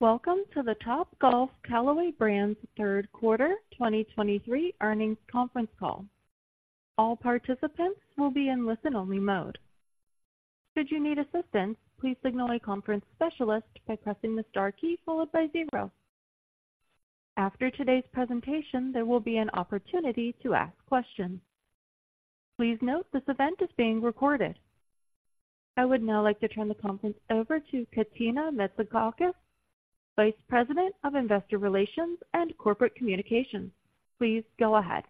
Welcome to the Topgolf Callaway Brands third quarter 2023 earnings conference call. All participants will be in listen-only mode. Should you need assistance, please signal a conference specialist by pressing the star key followed by zero. After today's presentation, there will be an opportunity to ask questions. Please note, this event is being recorded. I would now like to turn the conference over to Katina Metzidakis, Vice President of Investor Relations and Corporate Communications. Please go ahead.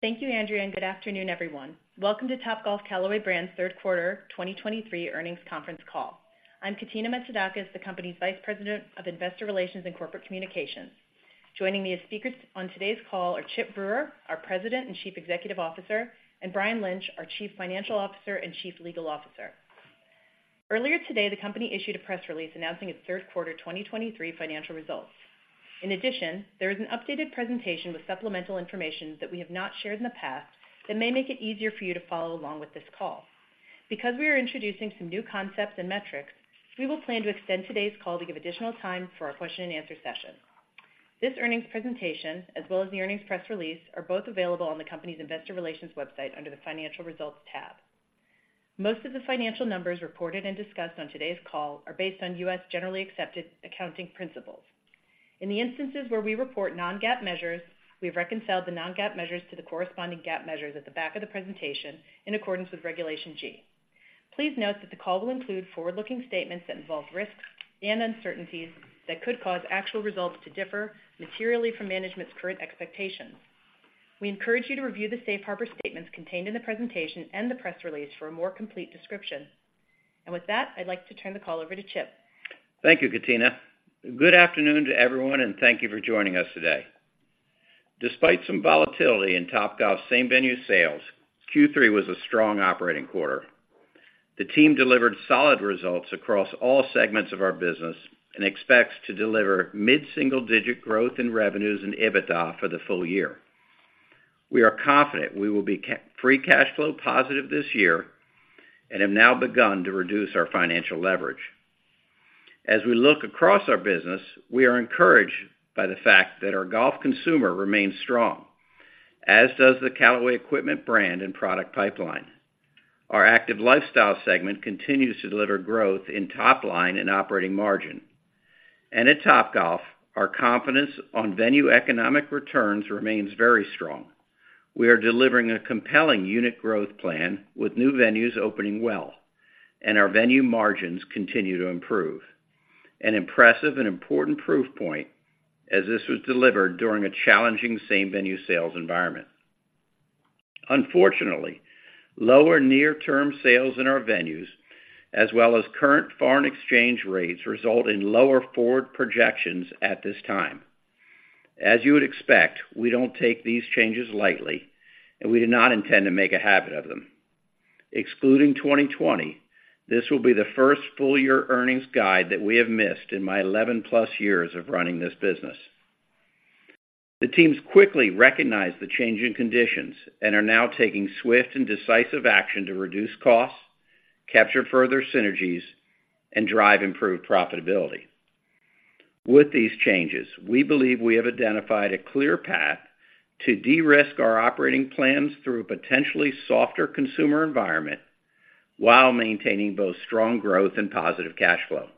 Thank you, [Andrea], and good afternoon, everyone. Welcome to Topgolf Callaway Brands' third quarter 2023 earnings conference call. I'm Katina Metzidakis, the company's Vice President of Investor Relations and Corporate Communications. Joining me as speakers on today's call are Chip Brewer, our President and Chief Executive Officer, and Brian Lynch, our Chief Financial Officer and Chief Legal Officer. Earlier today, the company issued a press release announcing its third quarter 2023 financial results. In addition, there is an updated presentation with supplemental information that we have not shared in the past that may make it easier for you to follow along with this call. Because we are introducing some new concepts and metrics, we will plan to extend today's call to give additional time for our question and answer session. This earnings presentation, as well as the earnings press release, are both available on the company's investor relations website under the Financial Results tab. Most of the financial numbers reported and discussed on today's call are based on U.S. generally accepted accounting principles. In the instances where we report non-GAAP measures, we've reconciled the non-GAAP measures to the corresponding GAAP measures at the back of the presentation in accordance with Regulation G. Please note that the call will include forward-looking statements that involve risks and uncertainties that could cause actual results to differ materially from management's current expectations. We encourage you to review the safe harbor statements contained in the presentation and the press release for a more complete description. With that, I'd like to turn the call over to Chip. Thank you, Katina. Good afternoon to everyone, and thank you for joining us today. Despite some volatility in Topgolf same-venue sales, Q3 was a strong operating quarter. The team delivered solid results across all segments of our business and expects to deliver mid-single-digit growth in revenues and EBITDA for the full year. We are confident we will be free cash flow positive this year and have now begun to reduce our financial leverage. As we look across our business, we are encouraged by the fact that our golf consumer remains strong, as does the Callaway equipment brand and product pipeline. Our active lifestyle segment continues to deliver growth in top line and operating margin. And at Topgolf, our confidence on venue economic returns remains very strong. We are delivering a compelling unit growth plan with new venues opening well, and our venue margins continue to improve. An impressive and important proof point, as this was delivered during a challenging same-venue sales environment. Unfortunately, lower near-term sales in our venues, as well as current foreign exchange rates, result in lower forward projections at this time. As you would expect, we don't take these changes lightly, and we do not intend to make a habit of them. Excluding 2020, this will be the first full-year earnings guide that we have missed in my eleven-plus years of running this business. The teams quickly recognized the change in conditions and are now taking swift and decisive action to reduce costs, capture further synergies, and drive improved profitability. With these changes, we believe we have identified a clear path to de-risk our operating plans through a potentially softer consumer environment while maintaining both strong growth and positive cash flow.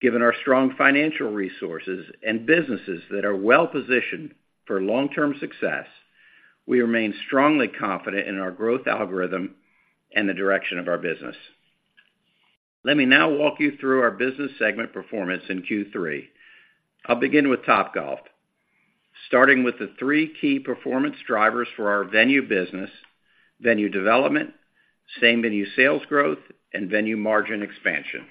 Given our strong financial resources and businesses that are well positioned for long-term success, we remain strongly confident in our growth algorithm and the direction of our business. Let me now walk you through our business segment performance in Q3. I'll begin with Topgolf, starting with the three key performance drivers for our venue business, venue development, same-venue sales growth, and venue margin expansion.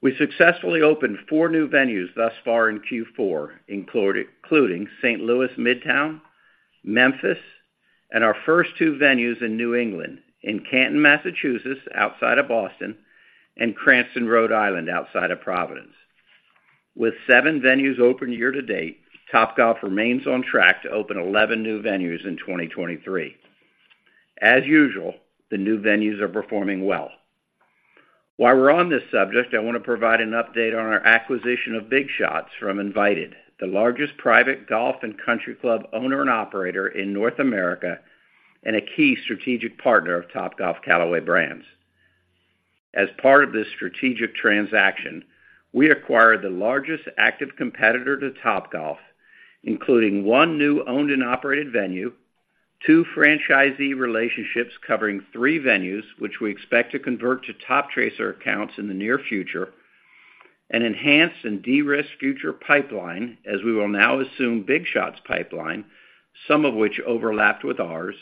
We successfully opened four new venues thus far in Q4, including St. Louis Midtown, Memphis, and our first two venues in New England, in Canton, Massachusetts, outside of Boston, and Cranston, Rhode Island, outside of Providence. With seven venues open year to date, Topgolf remains on track to open 11 new venues in 2023. As usual, the new venues are performing well. While we're on this subject, I want to provide an update on our acquisition of BigShots from Invited, the largest private golf and country club owner and operator in North America and a key strategic partner of Topgolf Callaway Brands. As part of this strategic transaction, we acquired the largest active competitor to Topgolf, including 1 new owned and operated venue, two franchisee relationships covering three venues, which we expect to convert to Toptracer accounts in the near future, an enhanced and de-risked future pipeline, as we will now assume BigShots' pipeline, some of which overlapped with ours,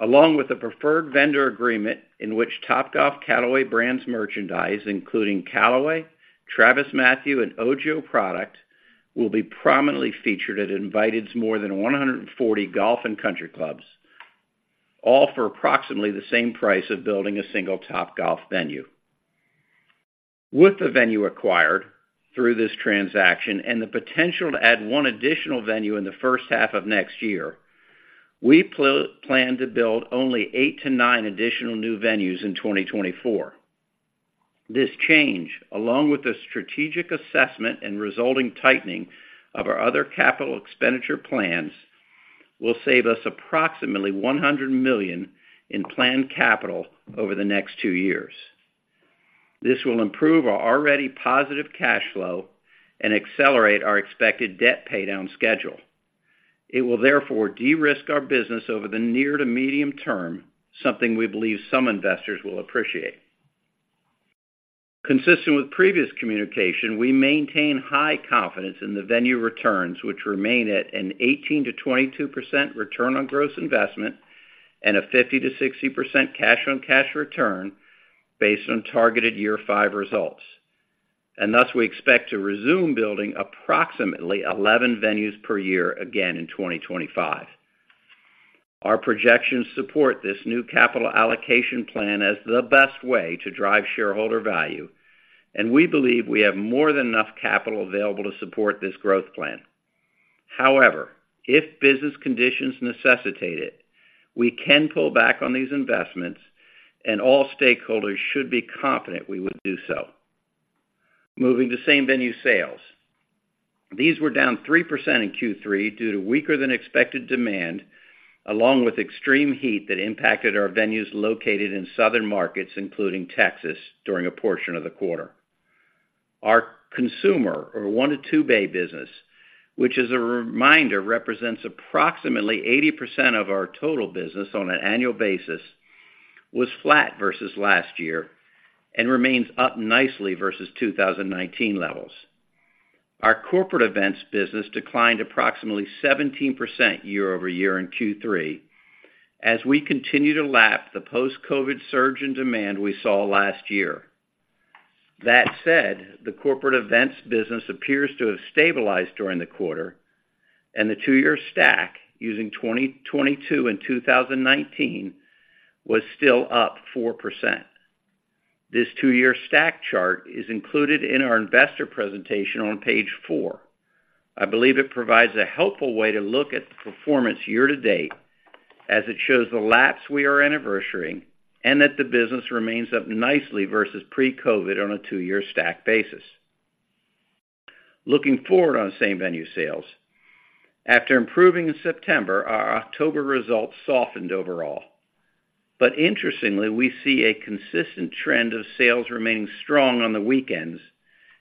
along with a preferred vendor agreement in which Topgolf Callaway Brands merchandise, including Callaway, TravisMathew, and OGIO product, will be prominently featured at Invited's more than 140 golf and country clubs, all for approximately the same price of building a single Topgolf venue.... With the venue acquired through this transaction and the potential to add one additional venue in the first half of next year, we plan to build only 8-9 additional new venues in 2024. This change, along with the strategic assessment and resulting tightening of our other capital expenditure plans, will save us approximately $100 million in planned capital over the next two years. This will improve our already positive cash flow and accelerate our expected debt paydown schedule. It will therefore de-risk our business over the near to medium term, something we believe some investors will appreciate. Consistent with previous communication, we maintain high confidence in the venue returns, which remain at an 18%-22% return on gross investment and a 50%-60% cash-on-cash return based on targeted year five results. Thus, we expect to resume building approximately 11 venues per year again in 2025. Our projections support this new capital allocation plan as the best way to drive shareholder value, and we believe we have more than enough capital available to support this growth plan. However, if business conditions necessitate it, we can pull back on these investments, and all stakeholders should be confident we would do so. Moving to same-venue sales. These were down 3% in Q3 due to weaker-than-expected demand, along with extreme heat that impacted our venues located in southern markets, including Texas, during a portion of the quarter. Our consumer or one-to-two-bay business, which, as a reminder, represents approximately 80% of our total business on an annual basis, was flat versus last year and remains up nicely versus 2019 levels. Our corporate events business declined approximately 17% year-over-year in Q3 as we continue to lap the post-COVID surge in demand we saw last year. That said, the corporate events business appears to have stabilized during the quarter, and the Two-year stack, using 2022 and 2019, was still up 4%. This two-year stack chart is included in our investor presentation on page four. I believe it provides a helpful way to look at the performance year to date as it shows the laps we are anniversarying and that the business remains up nicely versus pre-COVID on a Two-year stack basis. Looking forward on Same-venue sales. After improving in September, our October results softened overall. But interestingly, we see a consistent trend of sales remaining strong on the weekends,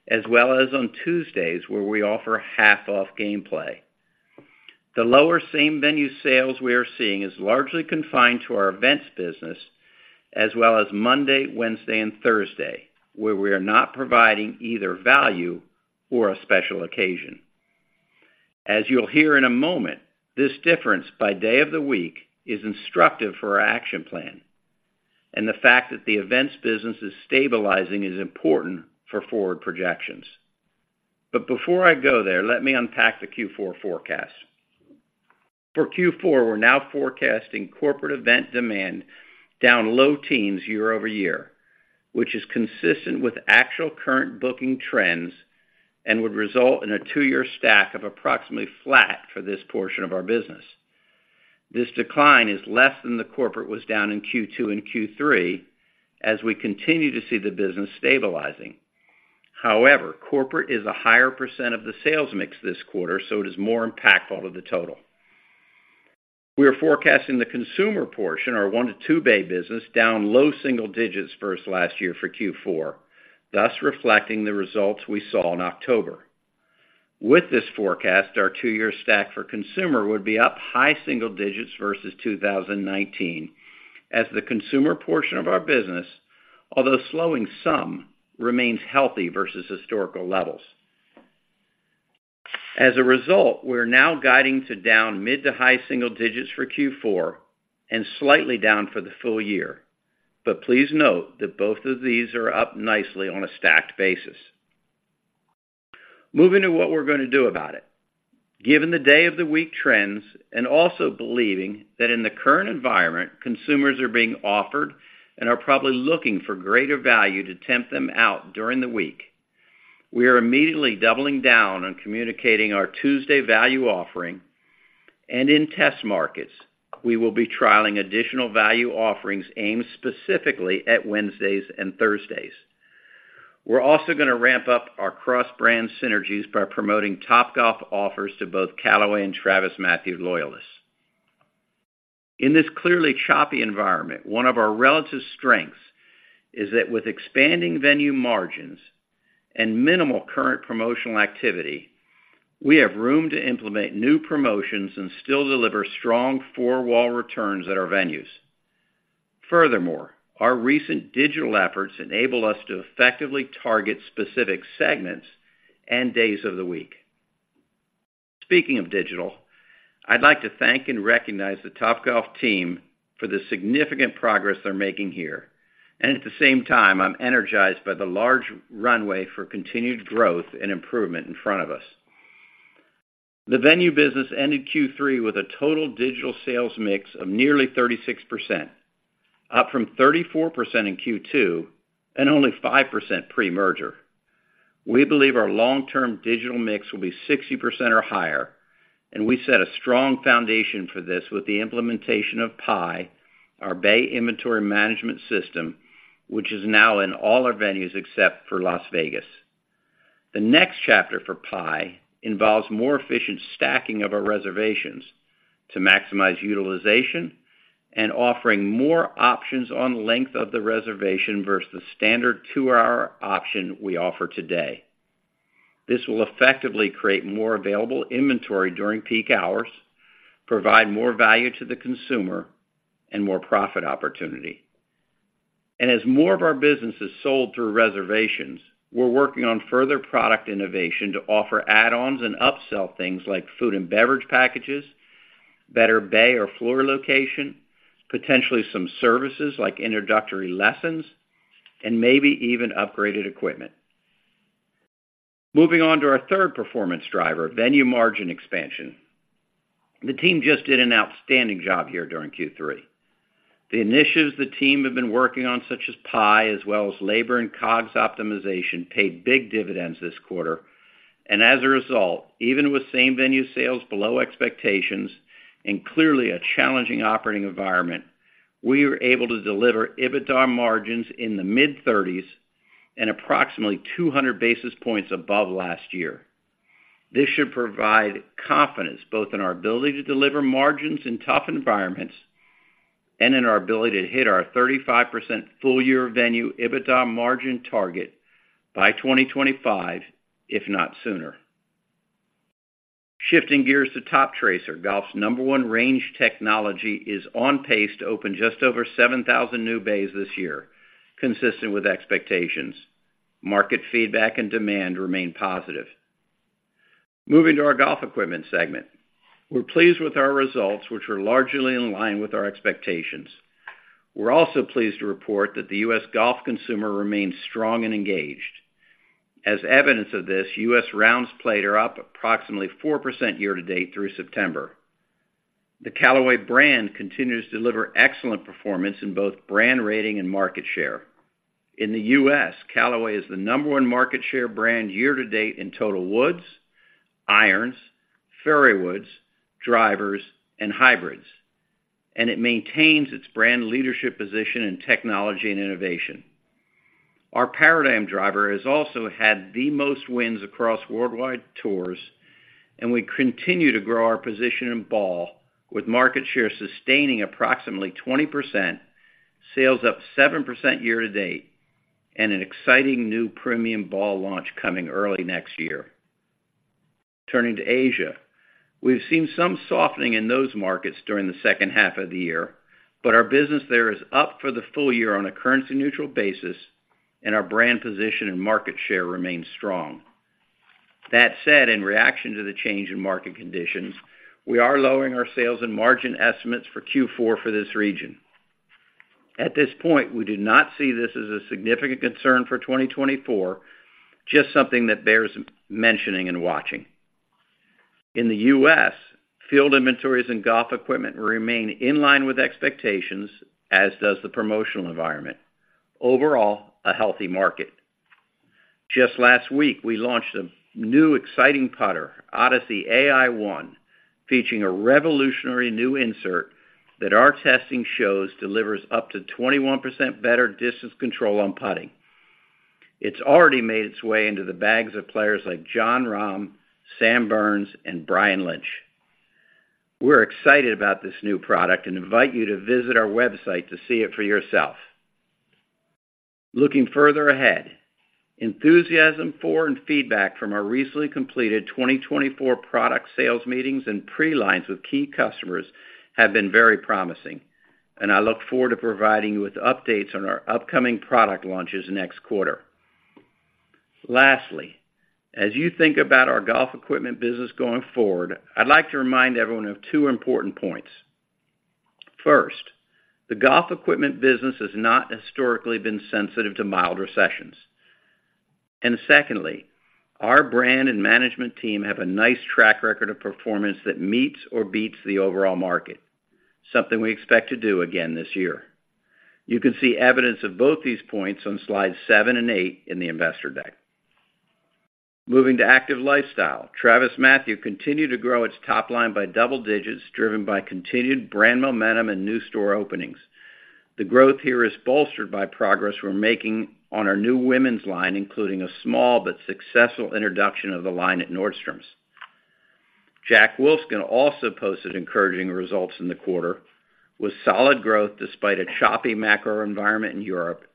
as well as on Tuesdays, where we offer half-off gameplay. The lower same-venue sales we are seeing is largely confined to our events business, as well as Monday, Wednesday, and Thursday, where we are not providing either value or a special occasion. As you'll hear in a moment, this difference by day of the week is instructive for our action plan, and the fact that the events business is stabilizing is important for forward projections. But before I go there, let me unpack the Q4 forecast. For Q4, we're now forecasting corporate event demand down low teens year-over-year, which is consistent with actual current booking trends and would result in a two-year stack of approximately flat for this portion of our business. This decline is less than the corporate was down in Q2 and Q3 as we continue to see the business stabilizing. However, corporate is a higher % of the sales mix this quarter, so it is more impactful to the total. We are forecasting the consumer portion, our one-to-two-bay business, down low single digits versus last year for Q4, thus reflecting the results we saw in October. With this forecast, our two-year stack for consumer would be up high single digits versus 2019, as the consumer portion of our business, although slowing some, remains healthy versus historical levels. As a result, we're now guiding to down mid to high single digits for Q4 and slightly down for the full year. But please note that both of these are up nicely on a stacked basis. Moving to what we're going to do about it. Given the day-of-the-week trends and also believing that in the current environment, consumers are being offered and are probably looking for greater value to tempt them out during the week, we are immediately doubling down on communicating our Tuesday value offering, and in test markets, we will be trialing additional value offerings aimed specifically at Wednesdays and Thursdays. We're also going to ramp up our cross-brand synergies by promoting Topgolf offers to both Callaway and TravisMathew loyalists. In this clearly choppy environment, one of our relative strengths is that with expanding venue margins and minimal current promotional activity, we have room to implement new promotions and still deliver strong four-wall returns at our venues. Furthermore, our recent digital efforts enable us to effectively target specific segments and days of the week. Speaking of digital, I'd like to thank and recognize the Topgolf team for the significant progress they're making here, and at the same time, I'm energized by the large runway for continued growth and improvement in front of us. The venue business ended Q3 with a total digital sales mix of nearly 36%, up from 34% in Q2, and only 5% pre-merger. We believe our long-term digital mix will be 60% or higher, and we set a strong foundation for this with the implementation of PIE, our bay inventory management system, which is now in all our venues except for Las Vegas. The next chapter for PIE involves more efficient stacking of our reservations to maximize utilization and offering more options on length of the reservation versus the standard two-hour option we offer today. This will effectively create more available inventory during peak hours, provide more value to the consumer, and more profit opportunity. And as more of our business is sold through reservations, we're working on further product innovation to offer add-ons and upsell things like food and beverage packages, better bay or floor location, potentially some services like introductory lessons, and maybe even upgraded equipment. Moving on to our third performance driver, venue margin expansion. The team just did an outstanding job here during Q3. The initiatives the team have been working on, such as PIE, as well as labor and COGS optimization, paid big dividends this quarter. And as a result, even with same-venue sales below expectations and clearly a challenging operating environment, we were able to deliver EBITDA margins in the mid-30s% and approximately 200 basis points above last year. This should provide confidence both in our ability to deliver margins in tough environments and in our ability to hit our 35% full-year venue EBITDA margin target by 2025, if not sooner. Shifting gears to Toptracer, golf's number one range technology, is on pace to open just over 7,000 new bays this year, consistent with expectations. Market feedback and demand remain positive. Moving to our golf equipment segment. We're pleased with our results, which are largely in line with our expectations. We're also pleased to report that the U.S. golf consumer remains strong and engaged. As evidence of this, U.S. rounds played are up approximately 4% year-to-date through September. The Callaway brand continues to deliver excellent performance in both brand rating and market share. In the U.S., Callaway is the number one market share brand year-to-date in total woods, irons, fairway woods, drivers, and hybrids, and it maintains its brand leadership position in technology and innovation. Our Paradigm driver has also had the most wins across worldwide tours, and we continue to grow our position in ball, with market share sustaining approximately 20%, sales up 7% year-to-date, and an exciting new premium ball launch coming early next year. Turning to Asia. We've seen some softening in those markets during the second half of the year, but our business there is up for the full year on a currency-neutral basis, and our brand position and market share remains strong. That said, in reaction to the change in market conditions, we are lowering our sales and margin estimates for Q4 for this region. At this point, we do not see this as a significant concern for 2024, just something that bears mentioning and watching. In the U.S., field inventories and golf equipment remain in line with expectations, as does the promotional environment. Overall, a healthy market. Just last week, we launched a new exciting putter, Odyssey Ai-One, featuring a revolutionary new insert that our testing shows delivers up to 21% better distance control on putting. It's already made its way into the bags of players like Jon Rahm, Sam Burns, and Brian Lynch. We're excited about this new product and invite you to visit our website to see it for yourself. Looking further ahead, enthusiasm for and feedback from our recently completed 2024 product sales meetings and pre-lines with key customers have been very promising, and I look forward to providing you with updates on our upcoming product launches next quarter. Lastly, as you think about our golf equipment business going forward, I'd like to remind everyone of two important points. First, the golf equipment business has not historically been sensitive to mild recessions. And secondly, our brand and management team have a nice track record of performance that meets or beats the overall market, something we expect to do again this year. You can see evidence of both these points on slides seven and eight in the investor deck. Moving to active lifestyle. TravisMathew continued to grow its top line by double digits, driven by continued brand momentum and new store openings. The growth here is bolstered by progress we're making on our new women's line, including a small but successful introduction of the line at Nordstrom's. Jack Wolfskin also posted encouraging results in the quarter, with solid growth despite a choppy macro environment in Europe,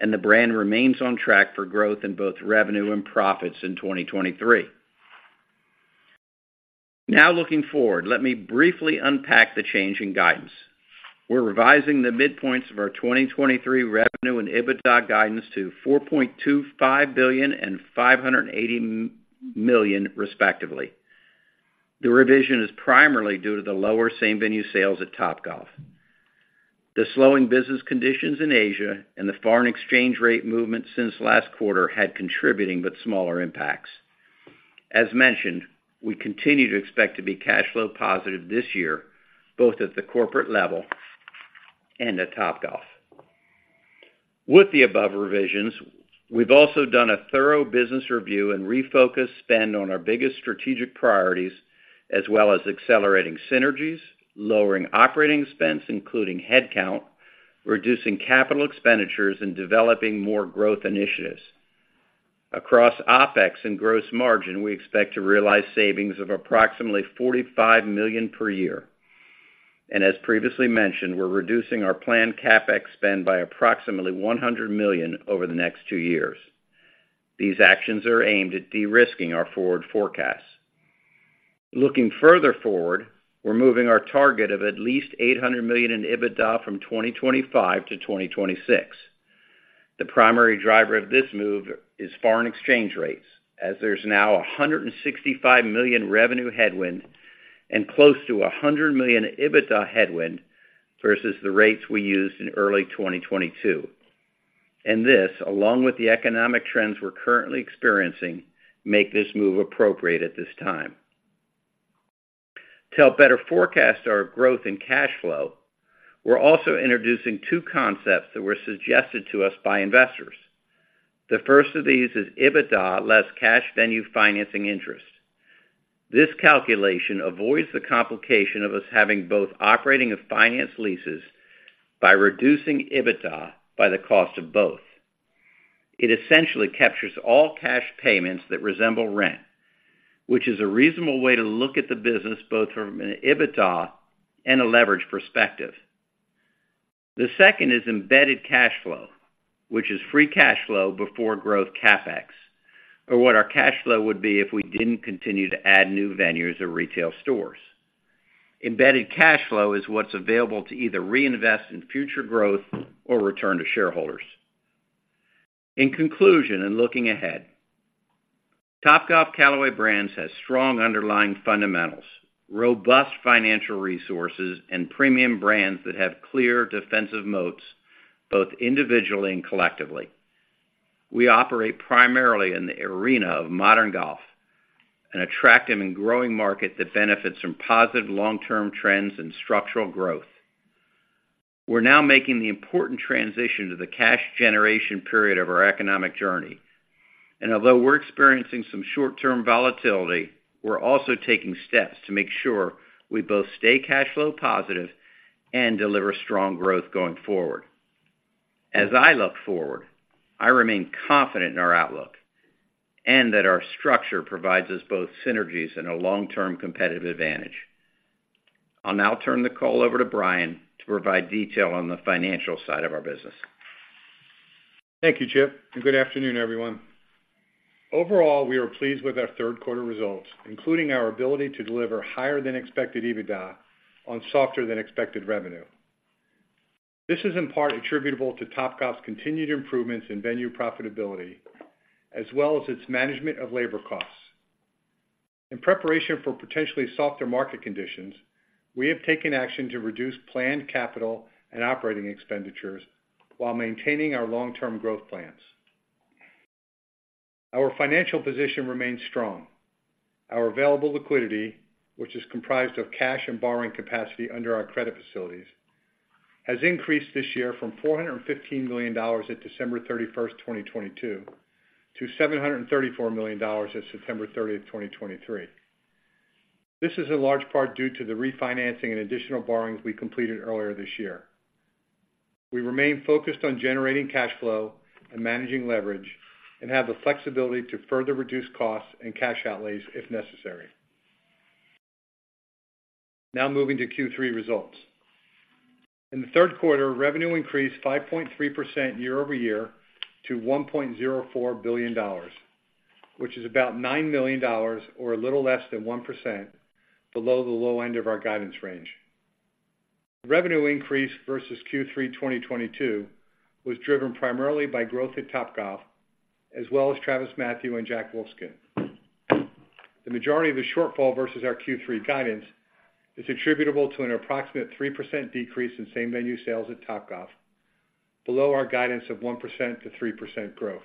and the brand remains on track for growth in both revenue and profits in 2023. Now, looking forward, let me briefly unpack the change in guidance. We're revising the midpoints of our 2023 revenue and EBITDA guidance to $4.25 billion and $580 million, respectively. The revision is primarily due to the lower same-venue sales at Topgolf.... The slowing business conditions in Asia and the foreign exchange rate movement since last quarter had contributing but smaller impacts. As mentioned, we continue to expect to be cash flow positive this year, both at the corporate level and at Topgolf. With the above revisions, we've also done a thorough business review and refocused spend on our biggest strategic priorities, as well as accelerating synergies, lowering operating expense, including headcount, reducing capital expenditures, and developing more growth initiatives. Across OpEx and gross margin, we expect to realize savings of approximately $45 million per year, and as previously mentioned, we're reducing our planned CapEx spend by approximately $100 million over the next two years. These actions are aimed at de-risking our forward forecasts. Looking further forward, we're moving our target of at least $800 million in EBITDA from 2025 to 2026. The primary driver of this move is foreign exchange rates, as there's now $165 million revenue headwind and close to $100 million EBITDA headwind versus the rates we used in early 2022, and this, along with the economic trends we're currently experiencing, make this move appropriate at this time. To help better forecast our growth and cash flow, we're also introducing two concepts that were suggested to us by investors. The first of these is EBITDA less cash venue financing interest. This calculation avoids the complication of us having both operating and finance leases by reducing EBITDA by the cost of both. It essentially captures all cash payments that resemble rent, which is a reasonable way to look at the business, both from an EBITDA and a leverage perspective. The second is embedded cash flow, which is free cash flow before growth CapEx, or what our cash flow would be if we didn't continue to add new venues or retail stores. Embedded cash flow is what's available to either reinvest in future growth or return to shareholders. In conclusion, in looking ahead, Topgolf Callaway Brands has strong underlying fundamentals, robust financial resources, and premium brands that have clear defensive moats, both individually and collectively. We operate primarily in the arena of modern golf, an attractive and growing market that benefits from positive long-term trends and structural growth. We're now making the important transition to the cash generation period of our economic journey, and although we're experiencing some short-term volatility, we're also taking steps to make sure we both stay cash flow positive and deliver strong growth going forward. As I look forward, I remain confident in our outlook and that our structure provides us both synergies and a long-term competitive advantage. I'll now turn the call over to Brian to provide detail on the financial side of our business. Thank you, Chip, and good afternoon, everyone. Overall, we are pleased with our third quarter results, including our ability to deliver higher than expected EBITDA on softer than expected revenue. This is in part attributable to Topgolf's continued improvements in venue profitability, as well as its management of labor costs. In preparation for potentially softer market conditions, we have taken action to reduce planned capital and operating expenditures while maintaining our long-term growth plans. Our financial position remains strong. Our available liquidity, which is comprised of cash and borrowing capacity under our credit facilities, has increased this year from $415 million at December 31, 2022, to $734 million at September 30, 2023. This is in large part due to the refinancing and additional borrowings we completed earlier this year. We remain focused on generating cash flow and managing leverage and have the flexibility to further reduce costs and cash outlays, if necessary. Now moving to Q3 results. In the third quarter, revenue increased 5.3% year-over-year to $1.04 billion, which is about $9 million, or a little less than 1% below the low end of our guidance range. Revenue increase versus Q3 2022 was driven primarily by growth at Topgolf, as well as TravisMathew and Jack Wolfskin. The majority of the shortfall versus our Q3 guidance is attributable to an approximate 3% decrease in same-venue sales at Topgolf, below our guidance of 1%-3% growth.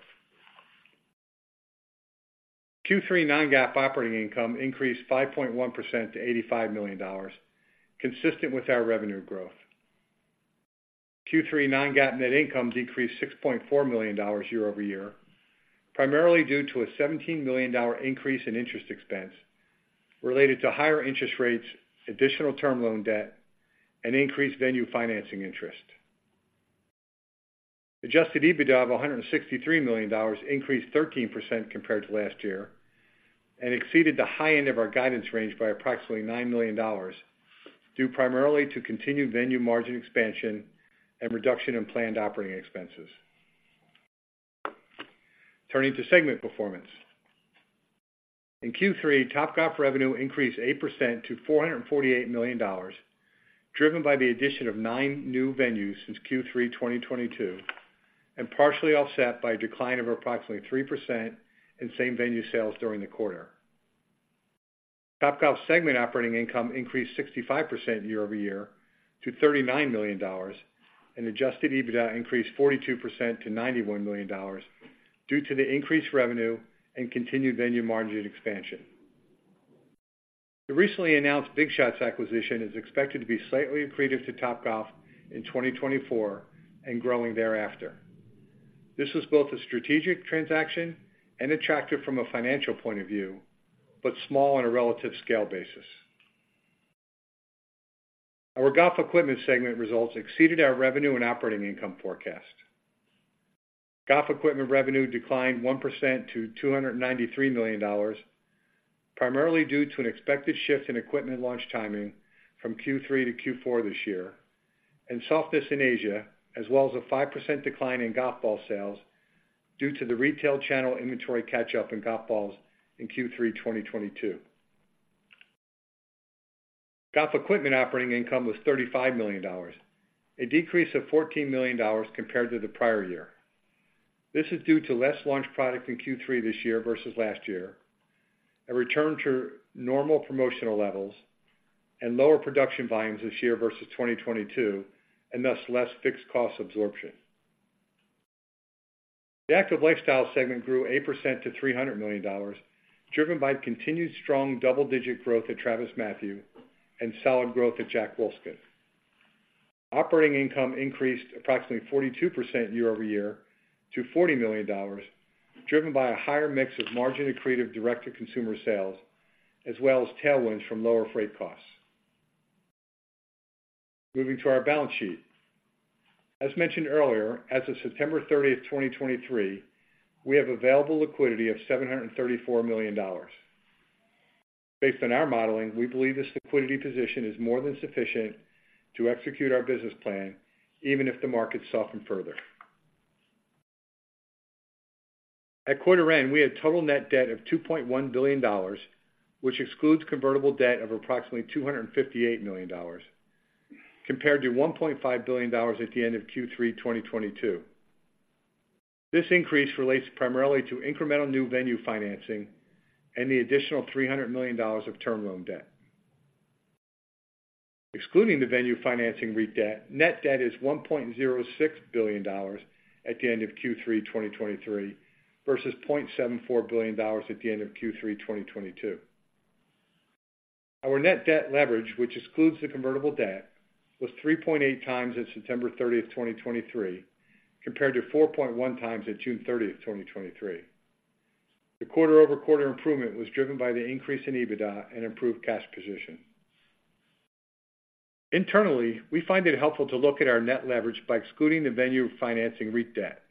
Q3 non-GAAP operating income increased 5.1% to $85 million, consistent with our revenue growth. Q3 non-GAAP net income decreased $6.4 million year-over-year, primarily due to a $17 million increase in interest expense related to higher interest rates, additional term loan debt, and increased venue financing interest. Adjusted EBITDA of $163 million increased 13% compared to last year and exceeded the high end of our guidance range by approximately $9 million, due primarily to continued venue margin expansion and reduction in planned operating expenses. Turning to segment performance. In Q3, Topgolf revenue increased 8% to $448 million, driven by the addition of nine new venues since Q3 2022, and partially offset by a decline of approximately 3% in same-venue sales during the quarter.... Topgolf segment operating income increased 65% year-over-year to $39 million, and Adjusted EBITDA increased 42% to $91 million due to the increased revenue and continued venue margin expansion. The recently announced Big Shots acquisition is expected to be slightly accretive to Topgolf in 2024 and growing thereafter. This was both a strategic transaction and attractive from a financial point of view, but small on a relative scale basis. Our golf equipment segment results exceeded our revenue and operating income forecast. Golf equipment revenue declined 1% to $293 million, primarily due to an expected shift in equipment launch timing from Q3-Q4 this year, and softness in Asia, as well as a 5% decline in golf ball sales due to the retail channel inventory catch-up in golf balls in Q3 2022. Golf equipment operating income was $35 million, a decrease of $14 million compared to the prior year. This is due to less launched product in Q3 this year versus last year, a return to normal promotional levels, and lower production volumes this year versus 2022, and thus, less fixed cost absorption. The active lifestyle segment grew 8% to $300 million, driven by continued strong double-digit growth at TravisMathew and solid growth at Jack Wolfskin. Operating income increased approximately 42% year-over-year to $40 million, driven by a higher mix of margin-accretive direct-to-consumer sales, as well as tailwinds from lower freight costs. Moving to our balance sheet. As mentioned earlier, as of September 30, 2023, we have available liquidity of $734 million. Based on our modeling, we believe this liquidity position is more than sufficient to execute our business plan, even if the markets soften further. At quarter end, we had total net debt of $2.1 billion, which excludes convertible debt of approximately $258 million, compared to $1.5 billion at the end of Q3 2022. This increase relates primarily to incremental new venue financing and the additional $300 million of term loan debt. Excluding the venue financing REIT debt, net debt is $1.06 billion at the end of Q3 2023, versus $0.74 billion at the end of Q3 2022. Our net debt leverage, which excludes the convertible debt, was 3.8x at September 30, 2023, compared to 4.1x at June 30, 2023. The quarter-over-quarter improvement was driven by the increase in EBITDA and improved cash position. Internally, we find it helpful to look at our net leverage by excluding the venue financing REIT debt.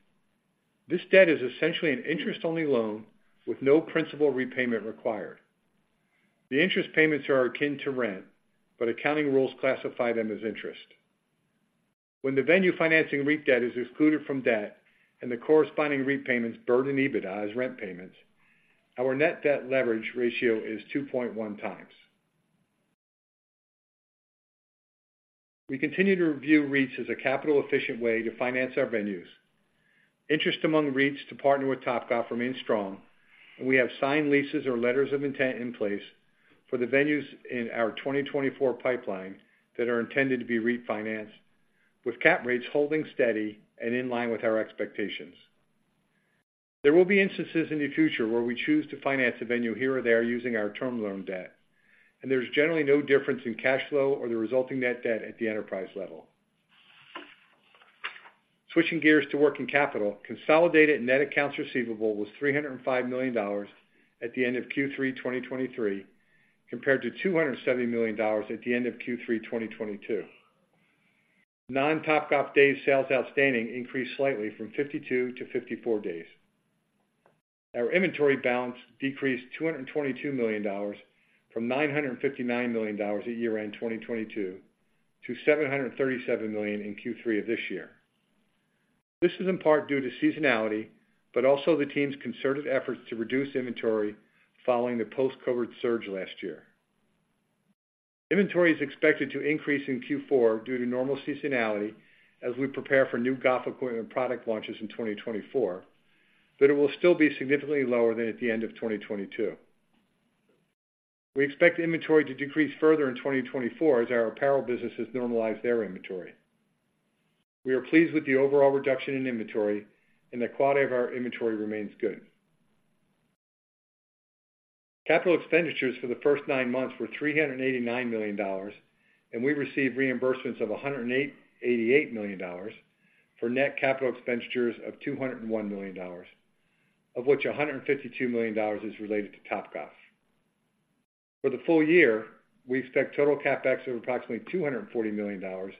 This debt is essentially an interest-only loan with no principal repayment required. The interest payments are akin to rent, but accounting rules classify them as interest. When the venue financing REIT debt is excluded from debt and the corresponding REIT payments burden EBITDA as rent payments, our net debt leverage ratio is 2.1x. We continue to review REITs as a capital-efficient way to finance our venues. Interest among REITs to partner with Topgolf remains strong, and we have signed leases or letters of intent in place for the venues in our 2024 pipeline that are intended to be REIT financed, with cap rates holding steady and in line with our expectations. There will be instances in the future where we choose to finance a venue here or there using our term loan debt, and there's generally no difference in cash flow or the resulting net debt at the enterprise level. Switching gears to working capital, consolidated net accounts receivable was $305 million at the end of Q3, 2023, compared to $270 million at the end of Q3, 2022. Non-Topgolf days sales outstanding increased slightly from 52-54 days. Our inventory balance decreased $222 million from $959 million at year-end 2022 to $737 million in Q3 of this year. This is in part due to seasonality, but also the team's concerted efforts to reduce inventory following the post-COVID surge last year. Inventory is expected to increase in Q4 due to normal seasonality as we prepare for new golf equipment product launches in 2024, but it will still be significantly lower than at the end of 2022. We expect inventory to decrease further in 2024 as our apparel businesses normalize their inventory. We are pleased with the overall reduction in inventory, and the quality of our inventory remains good. Capital expenditures for the first nine months were $389 million, and we received reimbursements of $188 million for net capital expenditures of $201 million, of which $152 million is related to Topgolf. For the full year, we expect total CapEx of approximately $240 million,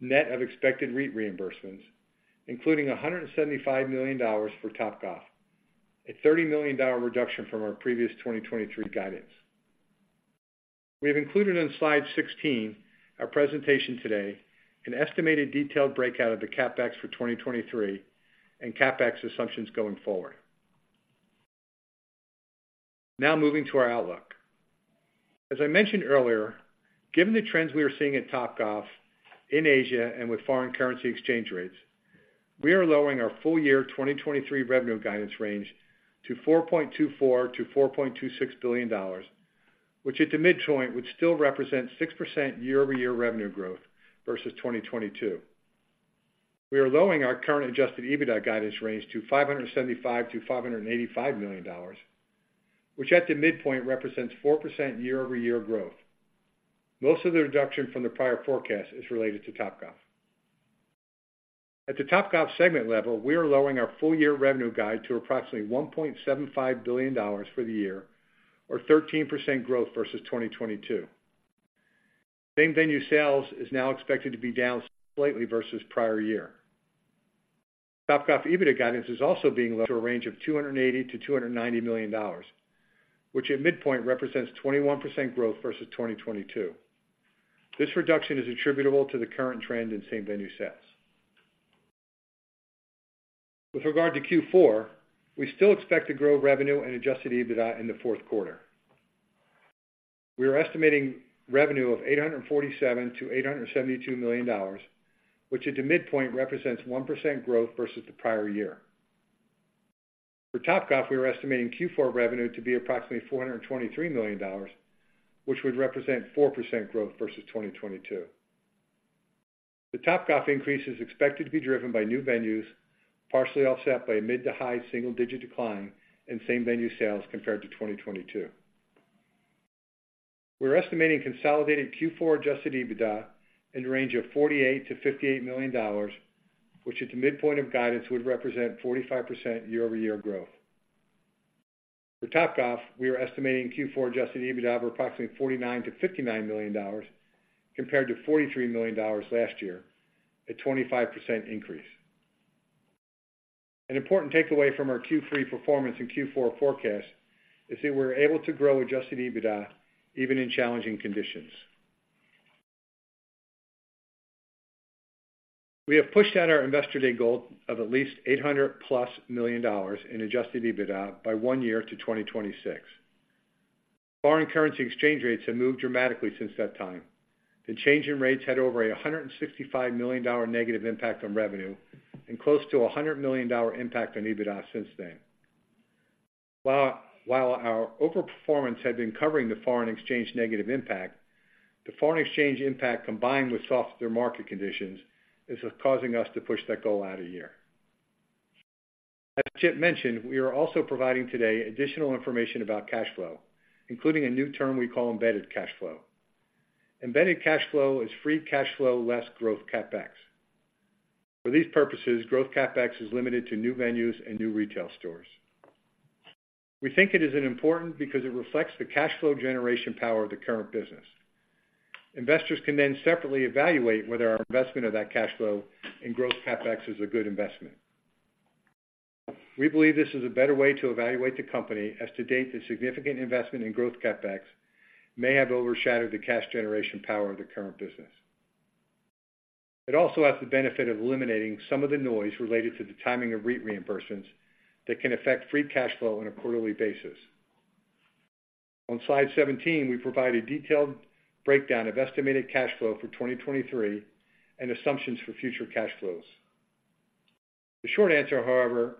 net of expected REIT reimbursements, including $175 million for Topgolf, a $30 million reduction from our previous 2023 guidance. We have included on slide 16, our presentation today, an estimated detailed breakout of the CapEx for 2023 and CapEx assumptions going forward. Now moving to our outlook. As I mentioned earlier, given the trends we are seeing at Topgolf in Asia and with foreign currency exchange rates,... We are lowering our full year 2023 revenue guidance range to $4.24 billion-$4.26 billion, which at the midpoint would still represent 6% year-over-year revenue growth versus 2022. We are lowering our current adjusted EBITDA guidance range to $575 million-$585 million, which at the midpoint represents 4% year-over-year growth. Most of the reduction from the prior forecast is related to Topgolf. At the Topgolf segment level, we are lowering our full year revenue guide to approximately $1.75 billion for the year, or 13% growth versus 2022. Same venue sales is now expected to be down slightly versus prior year. Topgolf EBITDA guidance is also being lowered to a range of $280 million-$290 million, which at midpoint represents 21% growth versus 2022. This reduction is attributable to the current trend in same venue sales. With regard to Q4, we still expect to grow revenue and adjusted EBITDA in the fourth quarter. We are estimating revenue of $847 million-$872 million, which at the midpoint represents 1% growth versus the prior year. For Topgolf, we are estimating Q4 revenue to be approximately $423 million, which would represent 4% growth versus 2022. The Topgolf increase is expected to be driven by new venues, partially offset by a mid- to high-single-digit decline in same-venue sales compared to 2022. We're estimating consolidated Q4 Adjusted EBITDA in the range of $48 million-$58 million, which at the midpoint of guidance would represent 45% year-over-year growth. For Topgolf, we are estimating Q4 Adjusted EBITDA of approximately $49 million-$59 million, compared to $43 million last year, a 25% increase. An important takeaway from our Q3 performance and Q4 forecast is that we're able to grow Adjusted EBITDA even in challenging conditions. We have pushed out our Investor Day goal of at least $800+ million in Adjusted EBITDA by one year to 2026. Foreign currency exchange rates have moved dramatically since that time. The change in rates had over $165 million negative impact on revenue, and close to $100 million impact on EBITDA since then. While our overperformance had been covering the foreign exchange negative impact, the foreign exchange impact, combined with softer market conditions, is causing us to push that goal out a year. As Chip mentioned, we are also providing today additional information about cash flow, including a new term we call embedded cash flow. Embedded cash flow is free cash flow, less growth CapEx. For these purposes, growth CapEx is limited to new venues and new retail stores. We think it is important because it reflects the cash flow generation power of the current business. Investors can then separately evaluate whether our investment of that cash flow in growth CapEx is a good investment. We believe this is a better way to evaluate the company, as to date, the significant investment in growth CapEx may have overshadowed the cash generation power of the current business. It also has the benefit of eliminating some of the noise related to the timing of REIT reimbursements that can affect free cash flow on a quarterly basis. On Slide 17, we provide a detailed breakdown of estimated cash flow for 2023 and assumptions for future cash flows. The short answer, however,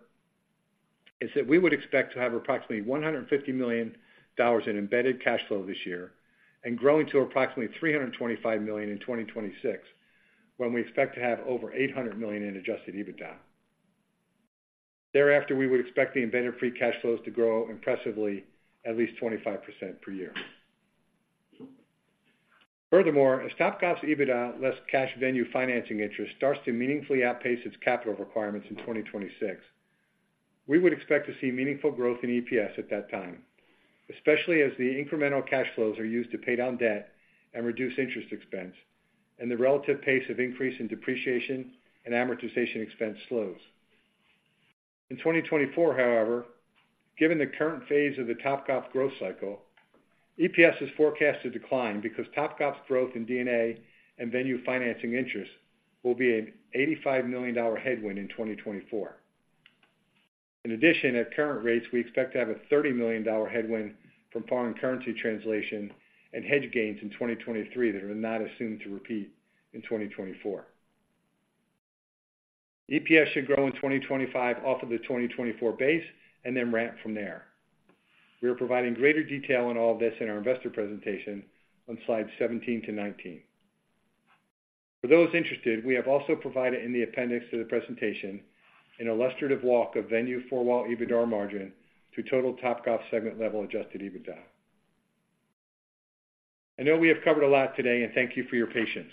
is that we would expect to have approximately $150 million in embedded cash flow this year and growing to approximately $325 million in 2026, when we expect to have over $800 million in adjusted EBITDA. Thereafter, we would expect the embedded free cash flows to grow impressively at least 25% per year. Furthermore, as Topgolf's EBITDA less cash venue financing interest starts to meaningfully outpace its capital requirements in 2026, we would expect to see meaningful growth in EPS at that time, especially as the incremental cash flows are used to pay down debt and reduce interest expense, and the relative pace of increase in depreciation and amortization expense slows. In 2024, however, given the current phase of the Topgolf growth cycle, EPS is forecast to decline because Topgolf's growth in D&A and venue financing interest will be an $85 million headwind in 2024. In addition, at current rates, we expect to have a $30 million headwind from foreign currency translation and hedge gains in 2023 that are not assumed to repeat in 2024. EPS should grow in 2025 off of the 2024 base and then ramp from there. We are providing greater detail on all of this in our investor presentation on slides 17-19. For those interested, we have also provided in the appendix to the presentation an illustrative walk of venue four-wall EBITDAR margin to total Topgolf segment level adjusted EBITDA. I know we have covered a lot today, and thank you for your patience.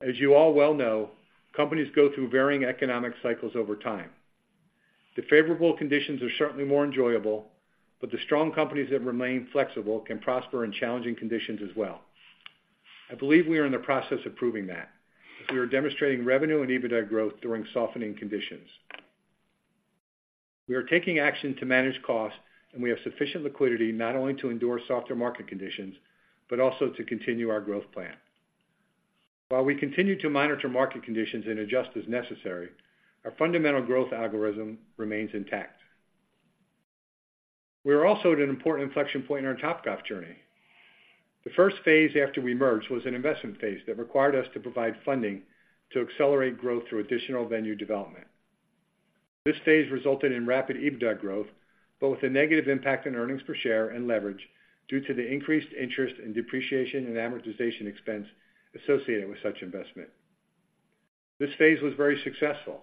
As you all well know, companies go through varying economic cycles over time. The favorable conditions are certainly more enjoyable, but the strong companies that remain flexible can prosper in challenging conditions as well. I believe we are in the process of proving that, as we are demonstrating revenue and EBITDA growth during softening conditions. We are taking action to manage costs, and we have sufficient liquidity not only to endure softer market conditions, but also to continue our growth plan. While we continue to monitor market conditions and adjust as necessary, our fundamental growth algorithm remains intact. We are also at an important inflection point in our Topgolf journey. The first phase after we merged was an investment phase that required us to provide funding to accelerate growth through additional venue development. This phase resulted in rapid EBITDA growth, but with a negative impact on earnings per share and leverage due to the increased interest in depreciation and amortization expense associated with such investment. This phase was very successful.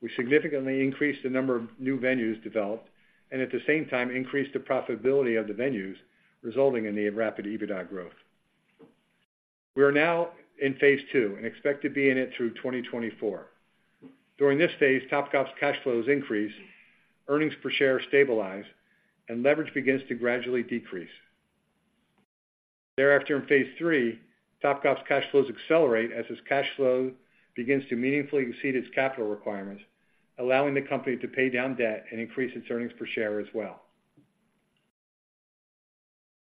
We significantly increased the number of new venues developed, and at the same time, increased the profitability of the venues, resulting in the rapid EBITDA growth. We are now in phase II and expect to be in it through 2024. During this phase, Topgolf's cash flows increase, earnings per share stabilize, and leverage begins to gradually decrease. Thereafter, in phase III, Topgolf's cash flows accelerate as its cash flow begins to meaningfully exceed its capital requirements, allowing the company to pay down debt and increase its earnings per share as well.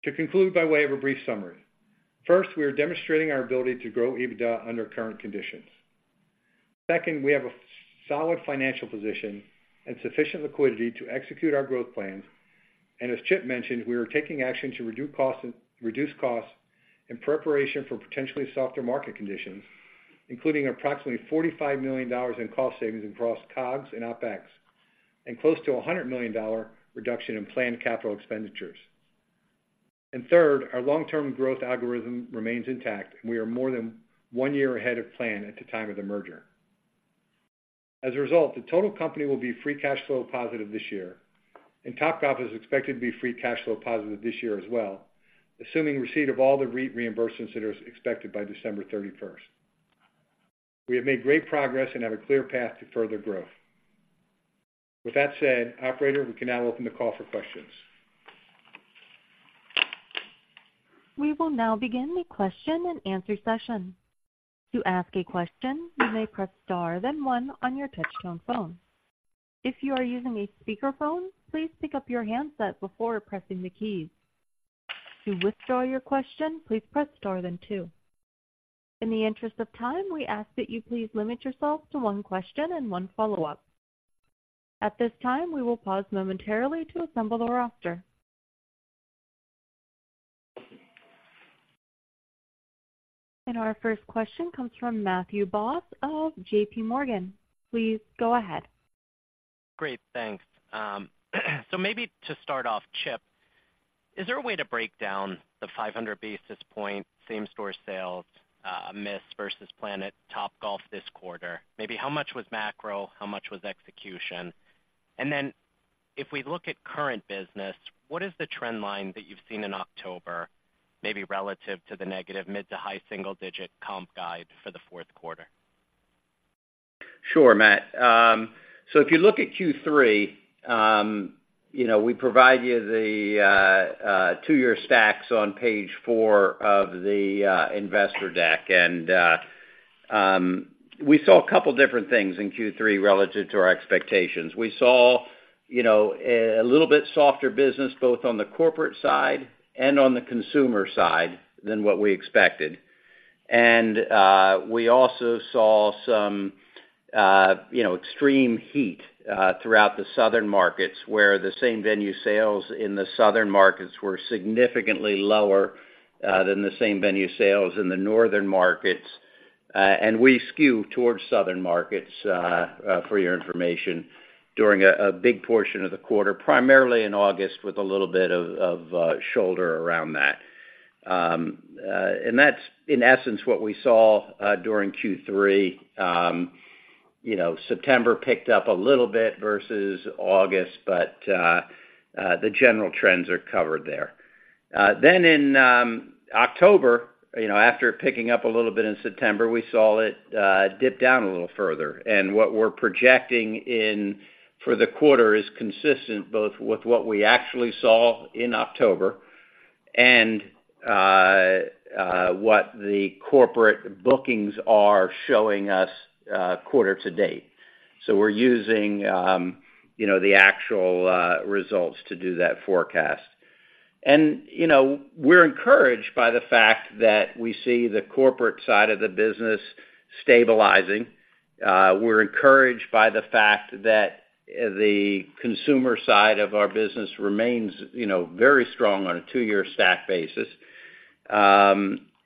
To conclude, by way of a brief summary, first, we are demonstrating our ability to grow EBITDA under current conditions. Second, we have a solid financial position and sufficient liquidity to execute our growth plans, and as Chip mentioned, we are taking action to reduce costs, reduce costs in preparation for potentially softer market conditions, including approximately $45 million in cost savings across COGS and OpEx, and close to $100 million reduction in planned capital expenditures. And third, our long-term growth algorithm remains intact, and we are more than one year ahead of plan at the time of the merger. As a result, the total company will be free cash flow positive this year, and Topgolf is expected to be free cash flow positive this year as well, assuming receipt of all the REIT reimbursements that are expected by December 31st. We have made great progress and have a clear path to further growth. With that said, operator, we can now open the call for questions. We will now begin the question and answer session. To ask a question, you may press star, then one on your touchtone phone. If you are using a speakerphone, please pick up your handset before pressing the keys. To withdraw your question, please press star then two. In the interest of time, we ask that you please limit yourselves to one question and one follow-up. At this time, we will pause momentarily to assemble the roster. Our first question comes from Matthew Boss of JPMorgan. Please go ahead. Great, thanks. So maybe to start off, Chip, is there a way to break down the 500 basis points same store sales miss versus plan at Topgolf this quarter? Maybe how much was macro, how much was execution? And then if we look at current business, what is the trend line that you've seen in October, maybe relative to the negative mid- to high-single-digit comp guide for the fourth quarter? Sure, Matt. So if you look at Q3, you know, we provide you the two-year stacks on page four of the investor deck, and we saw a couple of different things in Q3 relative to our expectations. We saw, you know, a little bit softer business, both on the corporate side and on the consumer side than what we expected. And we also saw some, you know, extreme heat throughout the southern markets, where the same venue sales in the southern markets were significantly lower than the same venue sales in the northern markets, and we skew towards southern markets for your information, during a big portion of the quarter, primarily in August, with a little bit of shoulder around that. That's, in essence, what we saw during Q3. You know, September picked up a little bit versus August, but the general trends are covered there. Then in October, you know, after picking up a little bit in September, we saw it dip down a little further. What we're projecting for the quarter is consistent both with what we actually saw in October and what the corporate bookings are showing us quarter to date. We're using, you know, the actual results to do that forecast. You know, we're encouraged by the fact that we see the corporate side of the business stabilizing. We're encouraged by the fact that the consumer side of our business remains, you know, very strong on a two-year stack basis.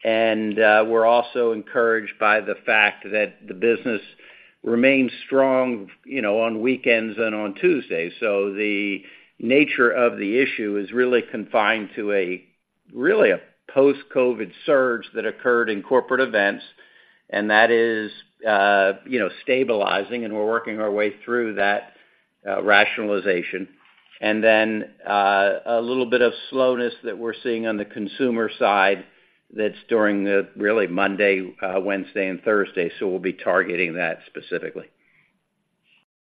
We're also encouraged by the fact that the business remains strong, you know, on weekends and on Tuesdays. So the nature of the issue is really confined to a really post-COVID surge that occurred in corporate events, and that is, you know, stabilizing, and we're working our way through that, rationalization. And then, a little bit of slowness that we're seeing on the consumer side that's during the really Monday, Wednesday and Thursday, so we'll be targeting that specifically.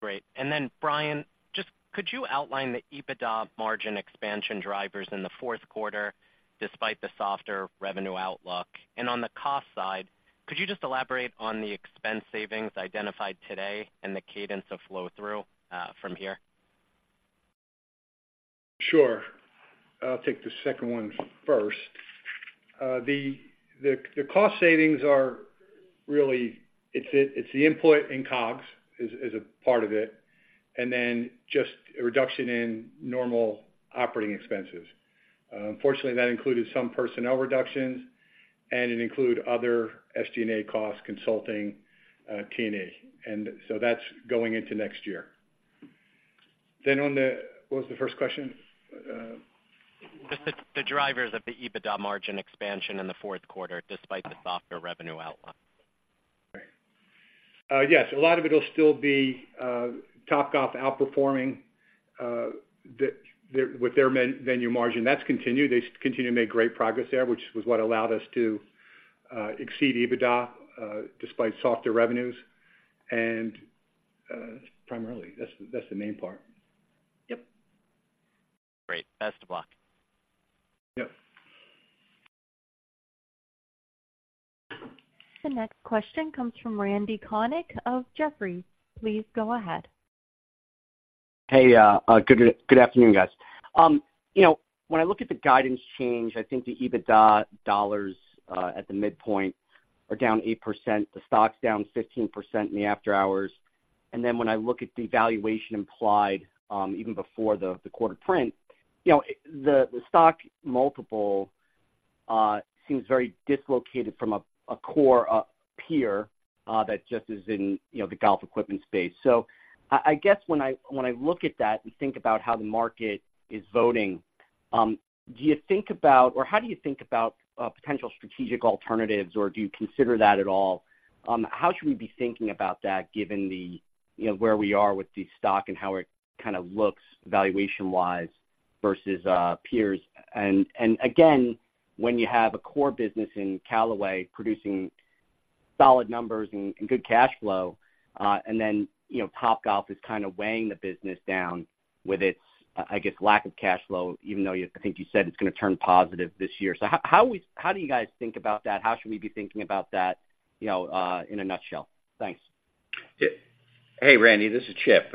Great. And then, Brian, just could you outline the EBITDA margin expansion drivers in the fourth quarter, despite the softer revenue outlook? And on the cost side, could you just elaborate on the expense savings identified today and the cadence of flow-through from here? Sure. I'll take the second one first... The cost savings are really, it's the input in COGS is a part of it, and then just a reduction in normal operating expenses. Unfortunately, that included some personnel reductions, and it included other SG&A costs, consulting, T&A, and so that's going into next year. Then on the—what was the first question? Just the drivers of the EBITDA margin expansion in the fourth quarter, despite the softer revenue outlook. Right. Yes, a lot of it will still be Topgolf outperforming the with their venue margin. That's continued. They continue to make great progress there, which was what allowed us to exceed EBITDA despite softer revenues, and primarily, that's the main part. Yep. Great. Best of luck. Yep. The next question comes from Randy Konik of Jefferies. Please go ahead. Hey, good afternoon, guys. You know, when I look at the guidance change, I think the EBITDA dollars at the midpoint are down 8%, the stock's down 15% in the after hours. And then when I look at the valuation implied, even before the quarter print, you know, the stock multiple seems very dislocated from a core peer that just is in, you know, the golf equipment space. So I guess when I look at that and think about how the market is voting, do you think about or how do you think about potential strategic alternatives, or do you consider that at all? How should we be thinking about that given the, you know, where we are with the stock and how it kind of looks valuation-wise versus peers? And again, when you have a core business in Callaway producing solid numbers and good cash flow, and then, you know, Topgolf is kind of weighing the business down with its, I guess, lack of cash flow, even though you-- I think you said it's going to turn positive this year. So how do we-- how do you guys think about that? How should we be thinking about that, you know, in a nutshell? Thanks. Hey, Randy, this is Chip.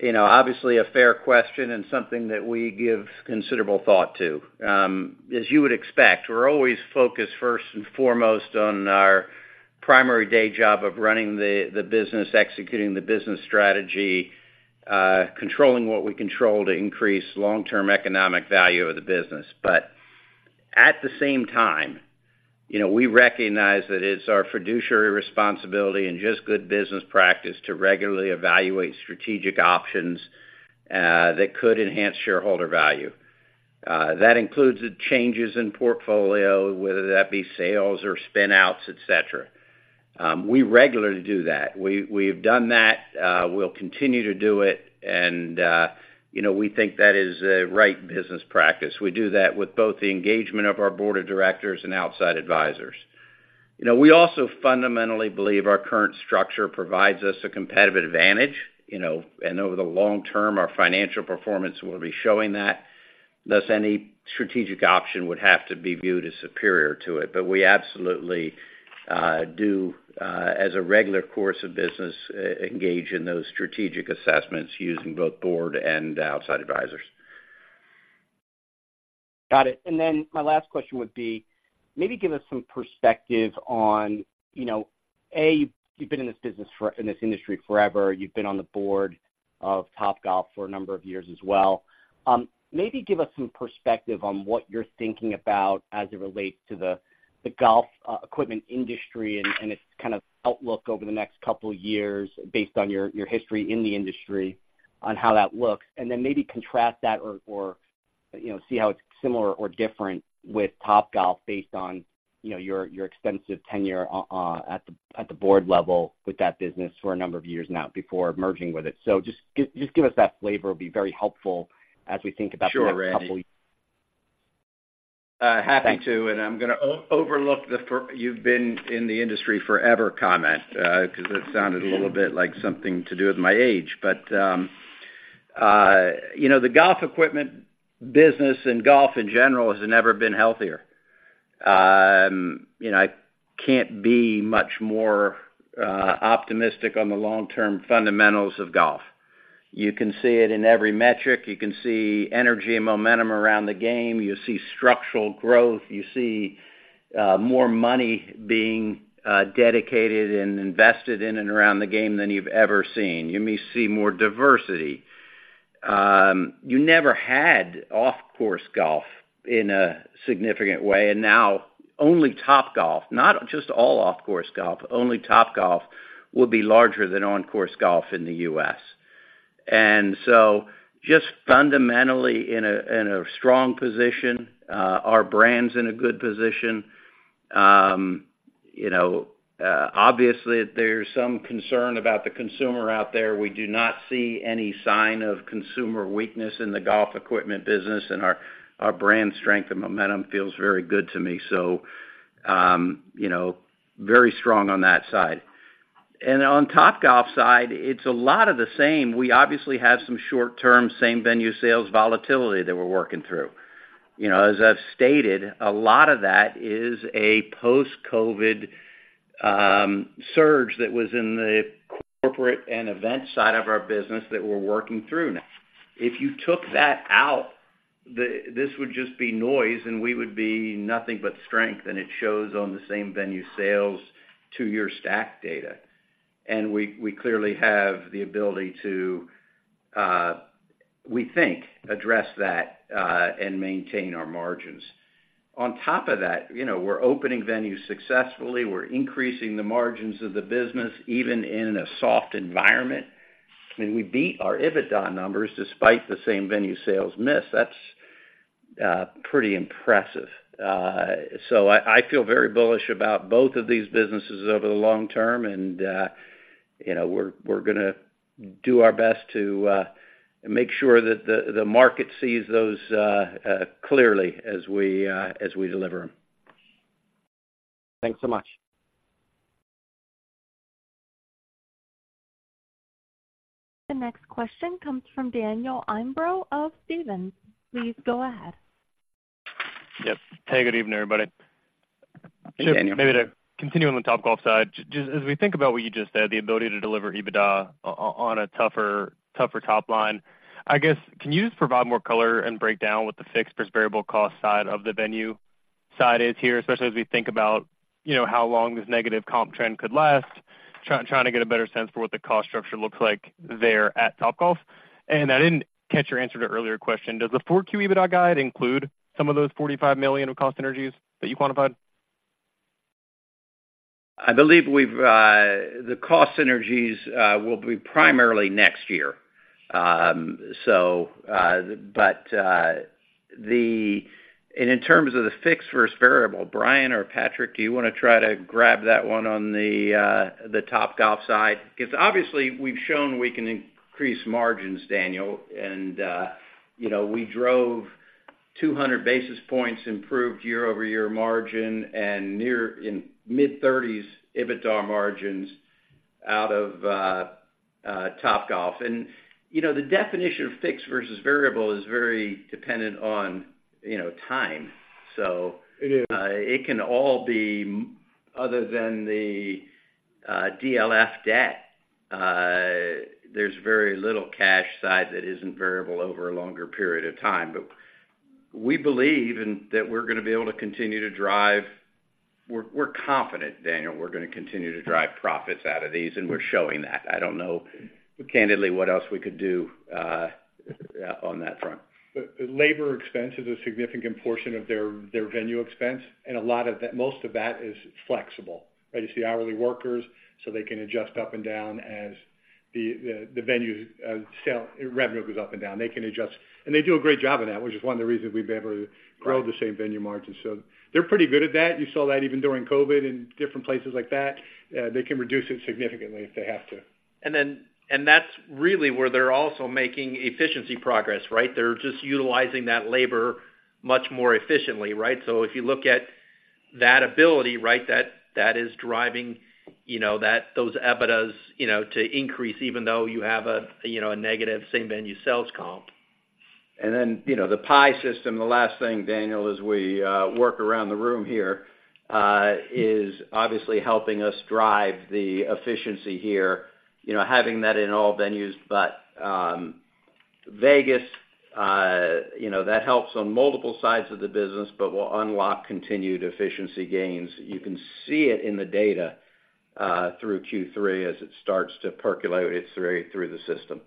You know, obviously a fair question and something that we give considerable thought to. As you would expect, we're always focused first and foremost on our primary day job of running the business, executing the business strategy, controlling what we control to increase long-term economic value of the business. But at the same time, you know, we recognize that it's our fiduciary responsibility and just good business practice to regularly evaluate strategic options that could enhance shareholder value. That includes the changes in portfolio, whether that be sales or spin-outs, et cetera. We regularly do that. We've done that, we'll continue to do it, and, you know, we think that is the right business practice. We do that with both the engagement of our board of directors and outside advisors. You know, we also fundamentally believe our current structure provides us a competitive advantage, you know, and over the long term, our financial performance will be showing that, thus any strategic option would have to be viewed as superior to it. But we absolutely do, as a regular course of business, engage in those strategic assessments using both board and outside advisors. Got it. And then my last question would be, maybe give us some perspective on, you know, A, you've been in this business for in this industry forever. You've been on the board of Topgolf for a number of years as well. Maybe give us some perspective on what you're thinking about as it relates to the golf equipment industry and its kind of outlook over the next couple of years, based on your history in the industry on how that looks. And then maybe contrast that or, you know, see how it's similar or different with Topgolf, based on your extensive tenure at the board level with that business for a number of years now, before merging with it. So just give us that flavor, it'll be very helpful as we think about- Sure, Randy.... the next couple years. Happy to. Thanks. I'm going to overlook the fact you've been in the industry forever comment, because it sounded a little bit like something to do with my age. But, you know, the golf equipment business and golf in general has never been healthier. You know, I can't be much more optimistic on the long-term fundamentals of golf. You can see it in every metric. You can see energy and momentum around the game. You see structural growth. You see more money being dedicated and invested in and around the game than you've ever seen. You may see more diversity. You never had off-course golf in a significant way, and now only Topgolf, not just all off-course golf, only Topgolf will be larger than on-course golf in the U.S. And so just fundamentally in a strong position, our brand's in a good position. You know, obviously, there's some concern about the consumer out there. We do not see any sign of consumer weakness in the golf equipment business, and our brand strength and momentum feels very good to me. So, you know, very strong on that side. And on Topgolf's side, it's a lot of the same. We obviously have some short-term same-venue sales volatility that we're working through. You know, as I've stated, a lot of that is a post-COVID surge that was in the corporate and event side of our business that we're working through now. If you took that out, this would just be noise, and we would be nothing but strength, and it shows on the same-venue sales two-year stack data. We clearly have the ability to, we think, address that, and maintain our margins. On top of that, you know, we're opening venues successfully. We're increasing the margins of the business, even in a soft environment. And we beat our EBITDA numbers despite the same-venue sales miss. That's pretty impressive. So I feel very bullish about both of these businesses over the long term, and, you know, we're gonna do our best to make sure that the market sees those clearly as we deliver them. Thanks so much. The next question comes from Daniel Imbro of Stephens. Please go ahead. Yep. Hey, good evening, everybody. Hey, Daniel. Maybe to continue on the Topgolf side, just as we think about what you just said, the ability to deliver EBITDA on a tougher, tougher top line, I guess, can you just provide more color and break down what the fixed versus variable cost side of the venue side is here, especially as we think about, you know, how long this negative comp trend could last? Trying to get a better sense for what the cost structure looks like there at Topgolf. And I didn't catch your answer to an earlier question: Does the Q4 EBITDA guide include some of those $45 million of cost synergies that you quantified? I believe we've the cost synergies will be primarily next year. And in terms of the fixed versus variable, Brian or Patrick, do you want to try to grab that one on the Topgolf side? Because, obviously, we've shown we can increase margins, Daniel, and, you know, we drove 200 basis points, improved year-over-year margin, and nearly in mid-thirties EBITDA margins out of Topgolf. And, you know, the definition of fixed versus variable is very dependent on, you know, time. So- It is. It can all be, other than the DLF debt, there's very little cash side that isn't variable over a longer period of time. But we believe in that we're going to be able to continue to drive. We're confident, Daniel, we're going to continue to drive profits out of these, and we're showing that. I don't know, candidly, what else we could do on that front. The labor expense is a significant portion of their venue expense, and a lot of that, most of that is flexible, right? It's the hourly workers, so they can adjust up and down as the venue's sales revenue goes up and down. They can adjust, and they do a great job of that, which is one of the reasons we've been able to grow the same-venue margins. So they're pretty good at that. You saw that even during COVID in different places like that, they can reduce it significantly if they have to. And that's really where they're also making efficiency progress, right? They're just utilizing that labor much more efficiently, right? So if you look at that ability, right, that is driving, you know, those EBITDAs, you know, to increase, even though you have a, you know, a negative same-venue sales comp. And then, you know, the PIE system, the last thing, Daniel, as we work around the room here, is obviously helping us drive the efficiency here. You know, having that in all venues, but Vegas, you know, that helps on multiple sides of the business but will unlock continued efficiency gains. You can see it in the data through Q3 as it starts to percolate its way through the system.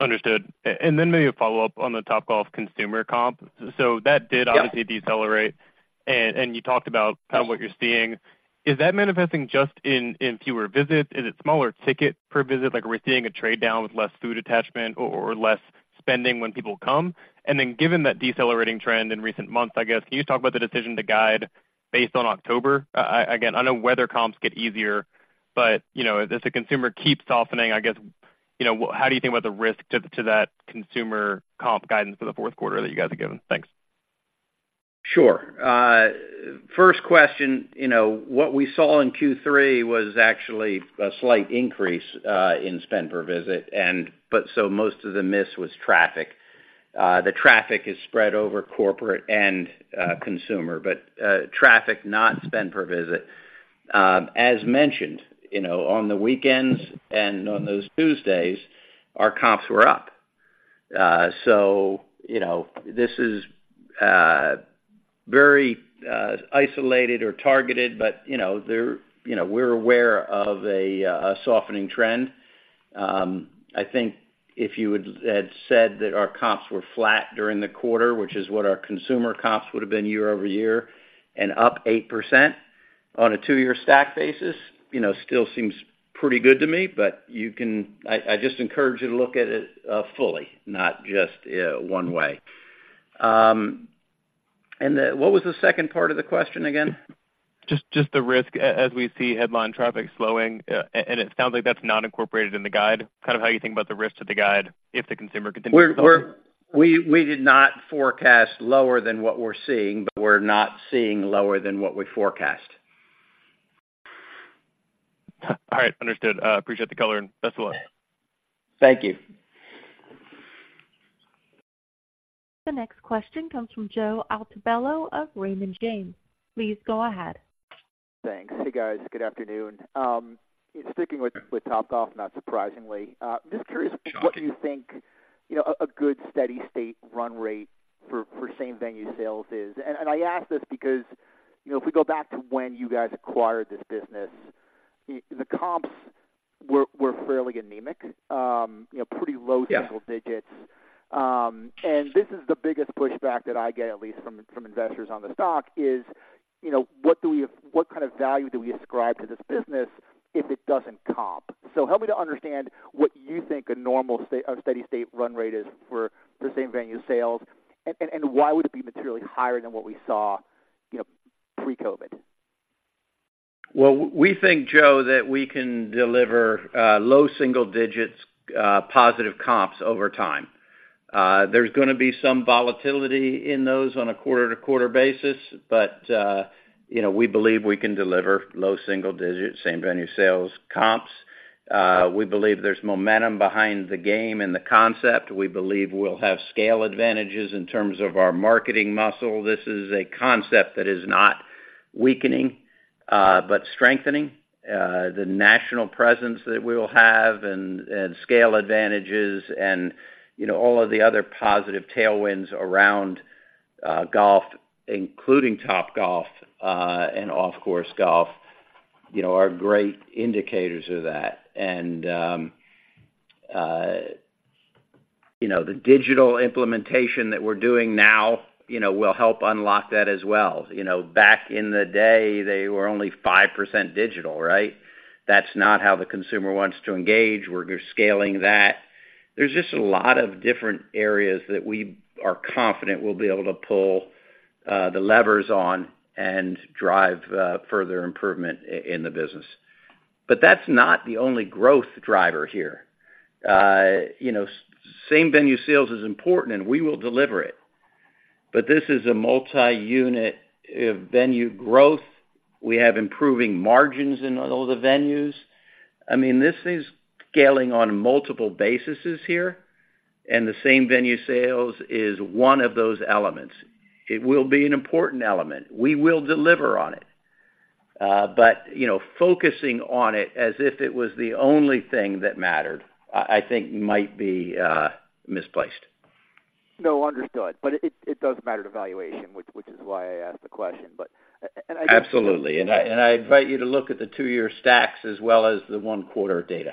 Understood. And then maybe a follow-up on the Topgolf consumer comp. So that did- Yep... obviously decelerate, and you talked about- Yes Kind of what you're seeing. Is that manifesting just in fewer visits? Is it smaller ticket per visit, like we're seeing a trade-down with less food attachment or less spending when people come? And then given that decelerating trend in recent months, I guess, can you talk about the decision to guide based on October? Again, I know weather comps get easier, but, you know, as the consumer keeps softening, I guess, you know, how do you think about the risk to that consumer comp guidance for the fourth quarter that you guys have given? Thanks. Sure. First question, you know, what we saw in Q3 was actually a slight increase in spend per visit, and so most of the miss was traffic. The traffic is spread over corporate and consumer, but traffic, not spend per visit. As mentioned, you know, on the weekends and on those Tuesdays, our comps were up. So, you know, this is very isolated or targeted, but, you know, we're aware of a softening trend. I think if you had said that our comps were flat during the quarter, which is what our consumer comps would have been year-over-year, and up 8% on a two-year stack basis, you know, still seems pretty good to me. But you can... I just encourage you to look at it fully, not just one way. And what was the second part of the question again? Just the risk as we see headline traffic slowing, and it sounds like that's not incorporated in the guide, kind of how you think about the risk to the guide if the consumer continues to We did not forecast lower than what we're seeing, but we're not seeing lower than what we forecast. All right, understood. Appreciate the color, and best of luck. Thank you. The next question comes from Joe Altobello of Raymond James. Please go ahead. Thanks. Hey, guys. Good afternoon. Sticking with Topgolf, not surprisingly, just curious, what do you think, you know, a good steady state run rate for same-venue sales is? And I ask this because, you know, if we go back to when you guys acquired this business, the comps were fairly anemic, you know, pretty low- Yeah... single digits. This is the biggest pushback that I get, at least from investors on the stock, is, you know, what do we have - what kind of value do we ascribe to this business if it doesn't comp? So help me to understand what you think a normal steady-state run rate is for the same-venue sales, and why would it be materially higher than what we saw, you know, pre-COVID? Well, we think, Joe, that we can deliver low single digits positive comps over time. There's gonna be some volatility in those on a quarter-to-quarter basis, but you know, we believe we can deliver low single digits same-venue sales comps. We believe there's momentum behind the game and the concept. We believe we'll have scale advantages in terms of our marketing muscle. This is a concept that is not weakening, but strengthening. The national presence that we will have and scale advantages and, you know, all of the other positive tailwinds around golf, including Topgolf, and off-course golf, you know, are great indicators of that. And, you know, the digital implementation that we're doing now, you know, will help unlock that as well. You know, back in the day, they were only 5% digital, right? That's not how the consumer wants to engage. We're scaling that. There's just a lot of different areas that we are confident we'll be able to pull the levers on and drive further improvement in the business. But that's not the only growth driver here. You know, same-venue sales is important, and we will deliver it. But this is a multi-unit venue growth. We have improving margins in all the venues. I mean, this is scaling on multiple bases here, and the same-venue sales is one of those elements. It will be an important element. We will deliver on it. But, you know, focusing on it as if it was the only thing that mattered, I think might be misplaced. No, understood. But it does matter to valuation, which is why I asked the question, but... and I- Absolutely. And I invite you to look at the two-year stacks as well as the one-quarter data.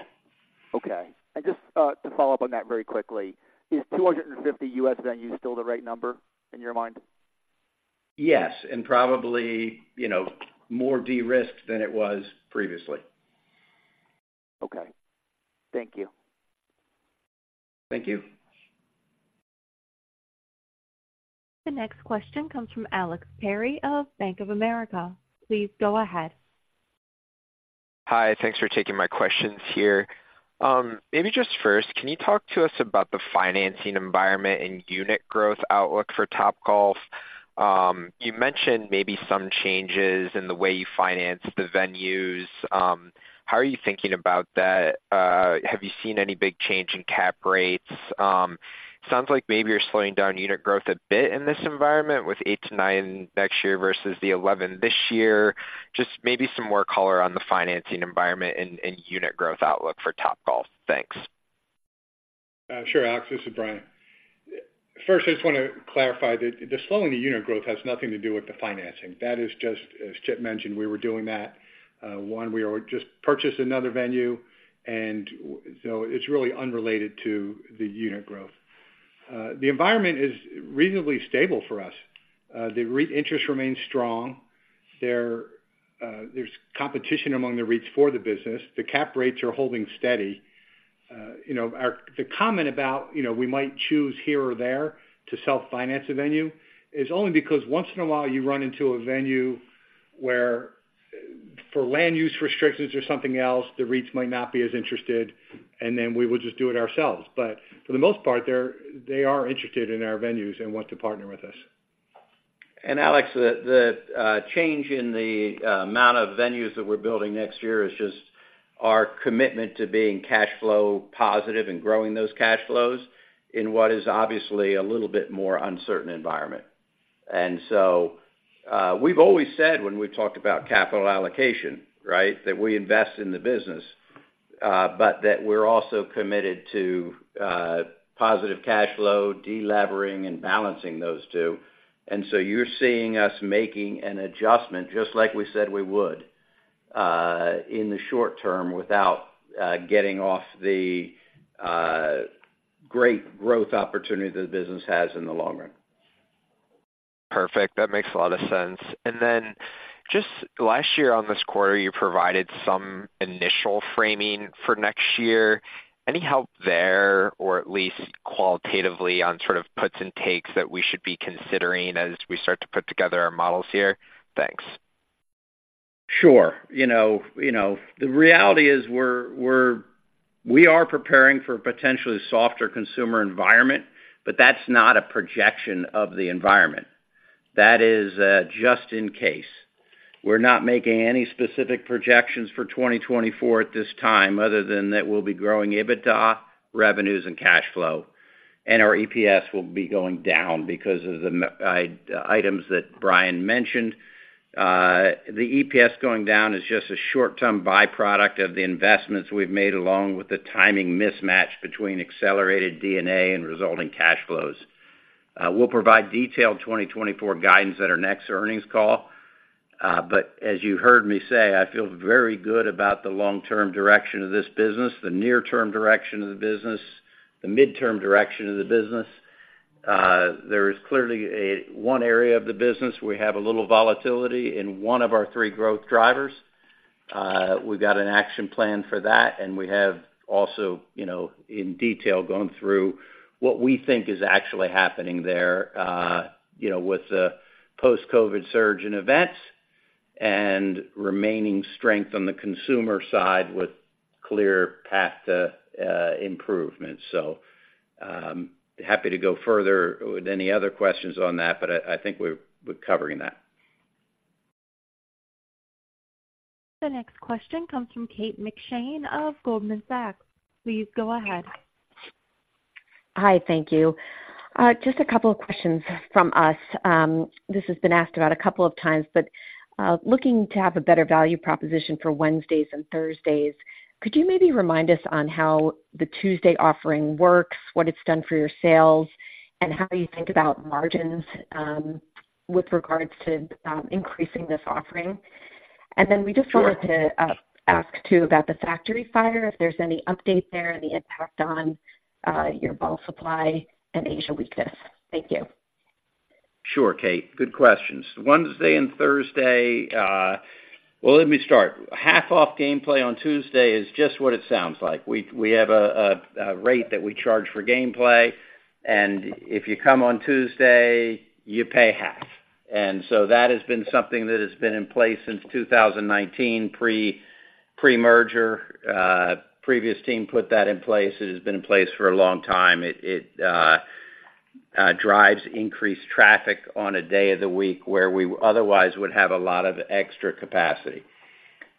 Okay. Just, to follow up on that very quickly, is 250 U.S. venues still the right number in your mind? Yes, and probably, you know, more de-risked than it was previously. Okay. Thank you. Thank you. The next question comes from Alex Perry of Bank of America. Please go ahead. Hi, thanks for taking my questions here. Maybe just first, can you talk to us about the financing environment and unit growth outlook for Topgolf? You mentioned maybe some changes in the way you finance the venues. How are you thinking about that? Have you seen any big change in cap rates? Sounds like maybe you're slowing down unit growth a bit in this environment with 8-9 next year versus the 11 this year. Just maybe some more color on the financing environment and unit growth outlook for Topgolf. Thanks. Sure, Alex. This is Brian. First, I just want to clarify that the slowing of the unit growth has nothing to do with the financing. That is just, as Chip mentioned, we were doing that. We already just purchased another venue, and so it's really unrelated to the unit growth. The environment is reasonably stable for us. The real interest remains strong. There's competition among the REITs for the business. The cap rates are holding steady. You know, the comment about, you know, we might choose here or there to self-finance a venue is only because once in a while you run into a venue where, for land use restrictions or something else, the REITs might not be as interested, and then we would just do it ourselves. But for the most part, they are interested in our venues and want to partner with us. Alex, the change in the amount of venues that we're building next year is just our commitment to being cash flow positive and growing those cash flows in what is obviously a little bit more uncertain environment. So, we've always said when we've talked about capital allocation, right, that we invest in the business, but that we're also committed to positive cash flow, delevering, and balancing those two. So you're seeing us making an adjustment, just like we said we would, in the short term, without getting off the great growth opportunity that the business has in the long run. Perfect. That makes a lot of sense. And then just last year on this quarter, you provided some initial framing for next year. Any help there, or at least qualitatively, on sort of puts and takes that we should be considering as we start to put together our models here? Thanks. Sure. You know, the reality is we are preparing for a potentially softer consumer environment, but that's not a projection of the environment. That is just in case. We're not making any specific projections for 2024 at this time, other than that we'll be growing EBITDA, revenues, and cash flow, and our EPS will be going down because of the M&A items that Brian mentioned. The EPS going down is just a short-term byproduct of the investments we've made, along with the timing mismatch between accelerated D&A and resulting cash flows. We'll provide detailed 2024 guidance at our next earnings call. But as you heard me say, I feel very good about the long-term direction of this business, the near-term direction of the business, the midterm direction of the business. There is clearly one area of the business where we have a little volatility in one of our three growth drivers. We've got an action plan for that, and we have also, you know, in detail, gone through what we think is actually happening there, you know, with the post-COVID surge in events and remaining strength on the consumer side, with clear path to improvement. So, happy to go further with any other questions on that, but I think we're covering that. The next question comes from Kate McShane of Goldman Sachs. Please go ahead. Hi, thank you. Just a couple of questions from us. This has been asked about a couple of times, but looking to have a better value proposition for Wednesdays and Thursdays, could you maybe remind us on how the Tuesday offering works, what it's done for your sales, and how you think about margins with regards to increasing this offering? And then we just- Sure... wanted to ask too about the factory fire, if there's any update there, the impact on your ball supply and Asia weakness. Thank you. Sure, Kate. Good questions. Wednesday and Thursday. Well, let me start. Half off gameplay on Tuesday is just what it sounds like. We have a rate that we charge for gameplay, and if you come on Tuesday, you pay half. And so that has been something that has been in place since 2019, pre-merger. Previous team put that in place. It has been in place for a long time. It drives increased traffic on a day of the week where we otherwise would have a lot of extra capacity.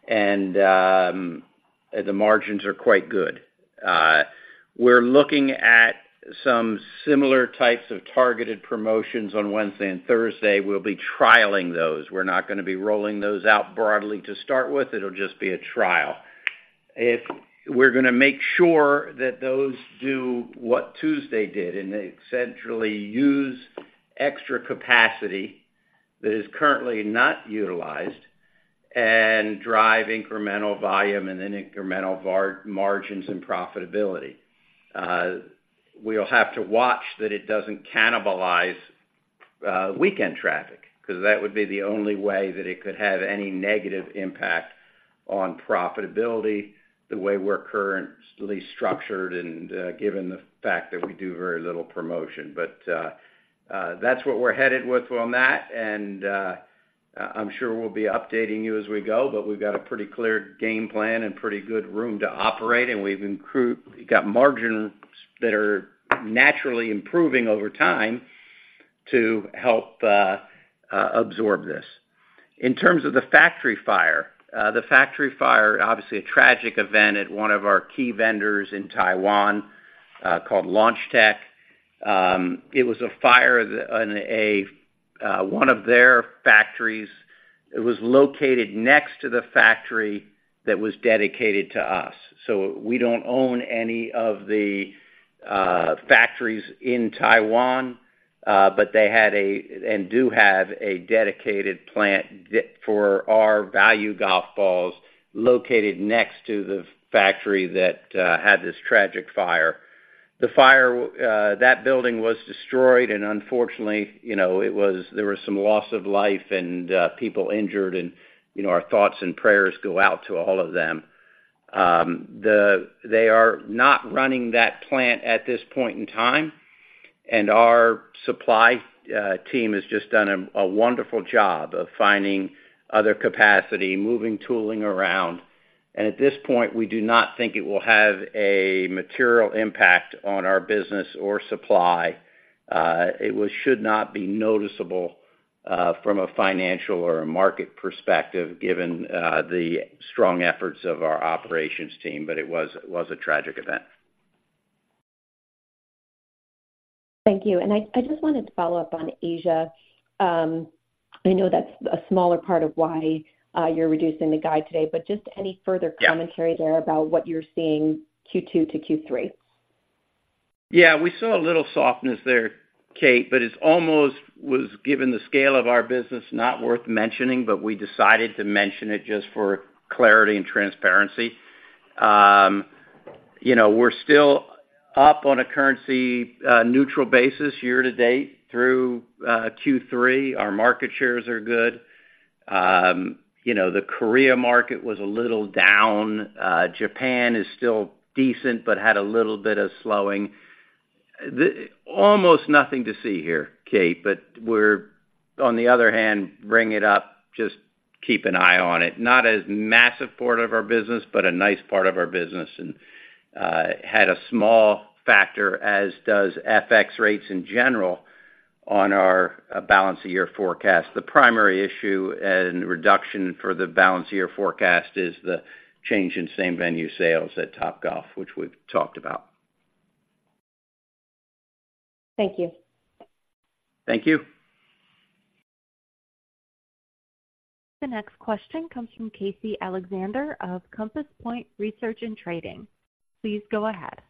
And the margins are quite good. We're looking at some similar types of targeted promotions on Wednesday and Thursday. We'll be trialing those. We're not gonna be rolling those out broadly to start with. It'll just be a trial. If we're gonna make sure that those do what Tuesday did, and they essentially use extra capacity that is currently not utilized, and drive incremental volume and then incremental margins and profitability. We'll have to watch that it doesn't cannibalize weekend traffic, 'cause that would be the only way that it could have any negative impact on profitability, the way we're currently structured and, given the fact that we do very little promotion. But that's what we're headed with on that, and I'm sure we'll be updating you as we go, but we've got a pretty clear game plan and pretty good room to operate, and we've got margins that are naturally improving over time to help absorb this. In terms of the factory fire, the factory fire, obviously a tragic event at one of our key vendors in Taiwan, called Launch Tech. It was a fire on one of their factories. It was located next to the factory that was dedicated to us. So we don't own any of the factories in Taiwan, but they had and do have a dedicated plant for our value golf balls, located next to the factory that had this tragic fire. The fire, that building was destroyed, and unfortunately, you know, it was there was some loss of life and people injured, and, you know, our thoughts and prayers go out to all of them. They are not running that plant at this point in time, and our supply team has just done a wonderful job of finding other capacity, moving tooling around. At this point, we do not think it will have a material impact on our business or supply. It should not be noticeable from a financial or a market perspective, given the strong efforts of our operations team, but it was a tragic event. Thank you. I just wanted to follow up on Asia. I know that's a smaller part of why you're reducing the guide today, but just any further- Yeah... commentary there about what you're seeing Q2 to Q3? Yeah, we saw a little softness there, Kate, but it's almost was, given the scale of our business, not worth mentioning. But we decided to mention it just for clarity and transparency. You know, we're still up on a currency neutral basis year to date through Q3. Our market shares are good. You know, the Korea market was a little down. Japan is still decent, but had a little bit of slowing. Almost nothing to see here, Kate, but we're on the other hand bringing it up just keep an eye on it. Not as massive part of our business, but a nice part of our business, and had a small factor, as does FX rates in general, on our balance of year forecast. The primary issue and reduction for the balance of year forecast is the change in same-venue sales at Topgolf, which we've talked about. Thank you. Thank you. The next question comes from Casey Alexander of Compass Point Research and Trading. Please go ahead.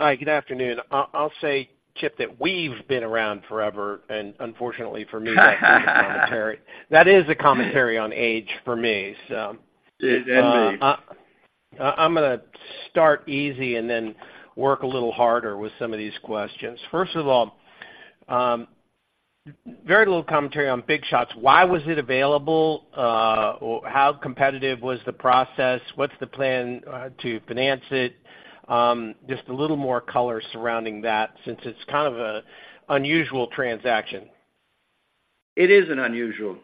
Hi, good afternoon. I'll say, Chip, that we've been around forever, and unfortunately for me, that's a commentary. That is a commentary on age for me, so- And me. I'm gonna start easy and then work a little harder with some of these questions. First of all, very little commentary on Big Shots. Why was it available? How competitive was the process? What's the plan to finance it? Just a little more color surrounding that, since it's kind of an unusual transaction. It is an unusual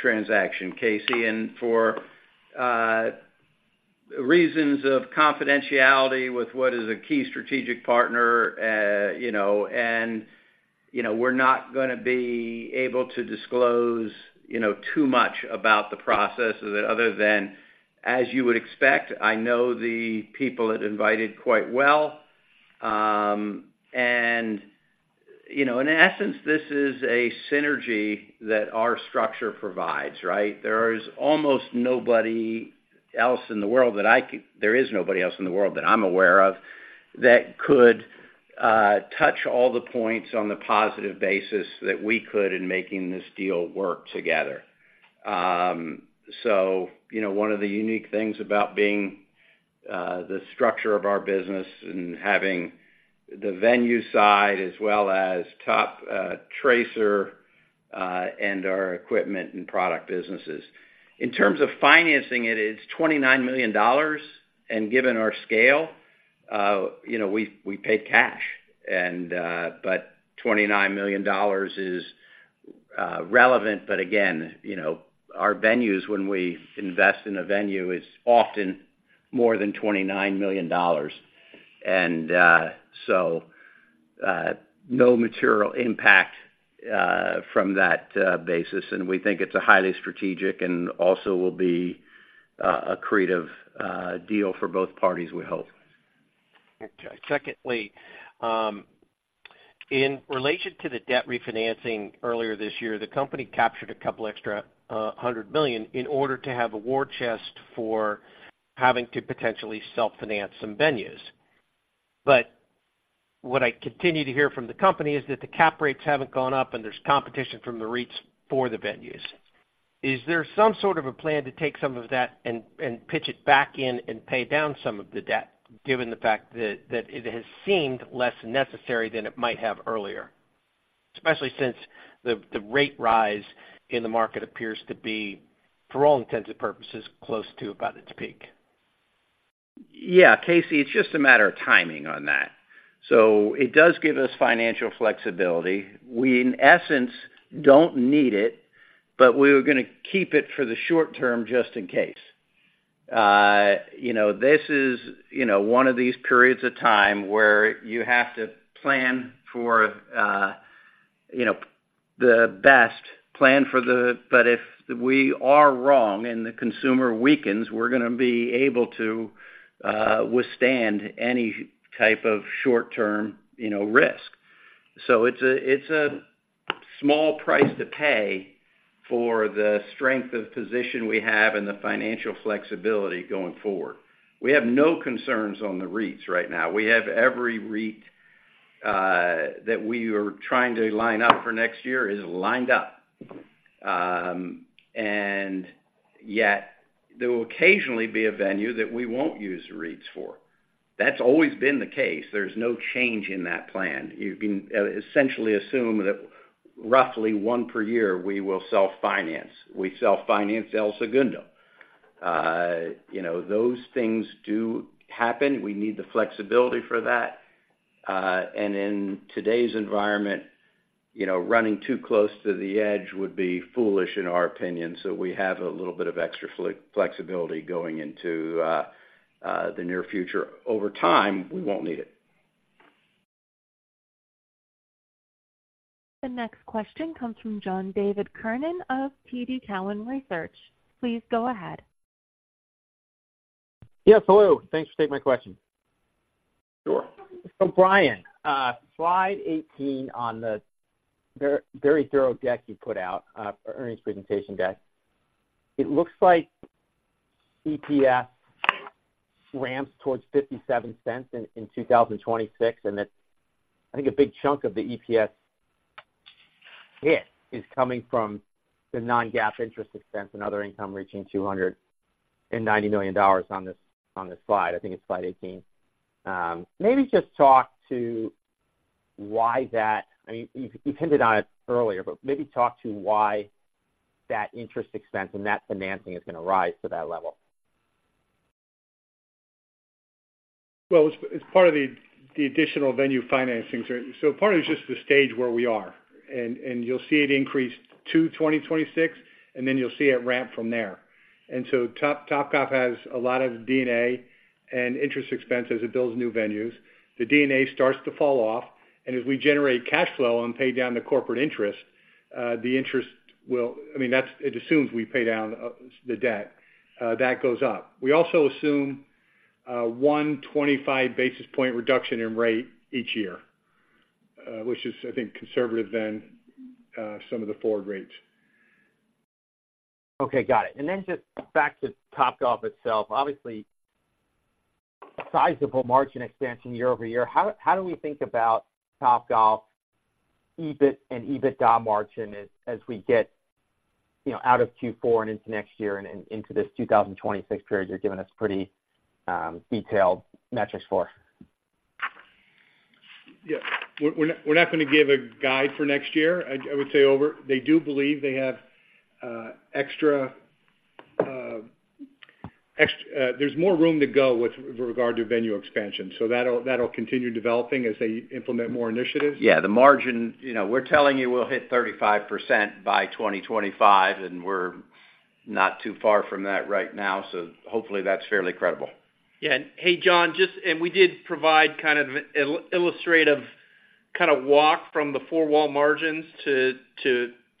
transaction, Casey, and for reasons of confidentiality with what is a key strategic partner, you know, and you know, we're not gonna be able to disclose, you know, too much about the process other than, as you would expect, I know the people at Invited quite well. And you know, in essence, this is a synergy that our structure provides, right? There is nobody else in the world, that I'm aware of, that could touch all the points on the positive basis that we could in making this deal work together. So you know, one of the unique things about being the structure of our business and having the venue side, as well as Toptracer, and our equipment and product businesses. In terms of financing it, it's $29 million, and given our scale, you know, we, we paid cash, and, but $29 million is relevant. But again, you know, our venues, when we invest in a venue, is often more than $29 million. And, so, no material impact, from that, basis, and we think it's a highly strategic and also will be, accretive, deal for both parties, we hope. Okay. Secondly, in relation to the debt refinancing earlier this year, the company captured a couple extra $100 million in order to have a war chest for having to potentially self-finance some venues. But what I continue to hear from the company is that the cap rates haven't gone up, and there's competition from the REITs for the venues. Is there some sort of a plan to take some of that and pitch it back in and pay down some of the debt, given the fact that it has seemed less necessary than it might have earlier? Especially since the rate rise in the market appears to be, for all intents and purposes, close to about its peak. Yeah, Casey, it's just a matter of timing on that. So it does give us financial flexibility. We, in essence, don't need it, but we were gonna keep it for the short term, just in case. You know, this is, you know, one of these periods of time where you have to plan for, you know, the best, plan for the... But if we are wrong, and the consumer weakens, we're gonna be able to withstand any type of short-term, you know, risk. So it's a, it's a small price to pay for the strength of position we have and the financial flexibility going forward. We have no concerns on the REITs right now. We have every REIT that we are trying to line up for next year, is lined up. And yet, there will occasionally be a venue that we won't use the REITs for. That's always been the case. There's no change in that plan. You can essentially assume that roughly one per year, we will self-finance. We self-financed El Segundo. You know, those things do happen. We need the flexibility for that. In today's environment, you know, running too close to the edge would be foolish, in our opinion, so we have a little bit of extra flexibility going into the near future. Over time, we won't need it. The next question comes from John David Kernan of TD Cowen Research. Please go ahead. Yes, hello, thanks for taking my question. Sure. So, Brian, slide 18 on the very thorough deck you put out, earnings presentation deck. It looks like EPS ramps towards $0.57 in 2026, and that, I think a big chunk of the EPS hit is coming from the non-GAAP interest expense and other income reaching $290 million on this slide. I think it's slide 18. Maybe just talk to why that... I mean, you hinted on it earlier, but maybe talk to why that interest expense and that financing is gonna rise to that level?... Well, it's part of the additional venue financings. So part of it is just the stage where we are, and you'll see it increase to 2026, and then you'll see it ramp from there. And so Topgolf has a lot of DNA and interest expenses as it builds new venues. The DNA starts to fall off, and as we generate cash flow and pay down the corporate interest, the interest will. I mean, that's, it assumes we pay down the debt that goes up. We also assume 125 basis point reduction in rate each year, which is, I think, conservative than some of the forward rates. Okay, got it. And then just back to Topgolf itself. Obviously, sizable margin expansion year-over-year. How, how do we think about Topgolf EBIT and EBITDA margin as, as we get, you know, out of Q4 and into next year and, and into this 2026 period you're giving us pretty detailed metrics for? Yeah. We're, we're not gonna give a guide for next year. I would say they do believe they have extra, there's more room to go with regard to venue expansion, so that'll, that'll continue developing as they implement more initiatives. Yeah, the margin, you know, we're telling you we'll hit 35% by 2025, and we're not too far from that right now, so hopefully, that's fairly credible. Yeah. Hey, John, just, we did provide kind of an illustrative kind of walk from the four-wall margins to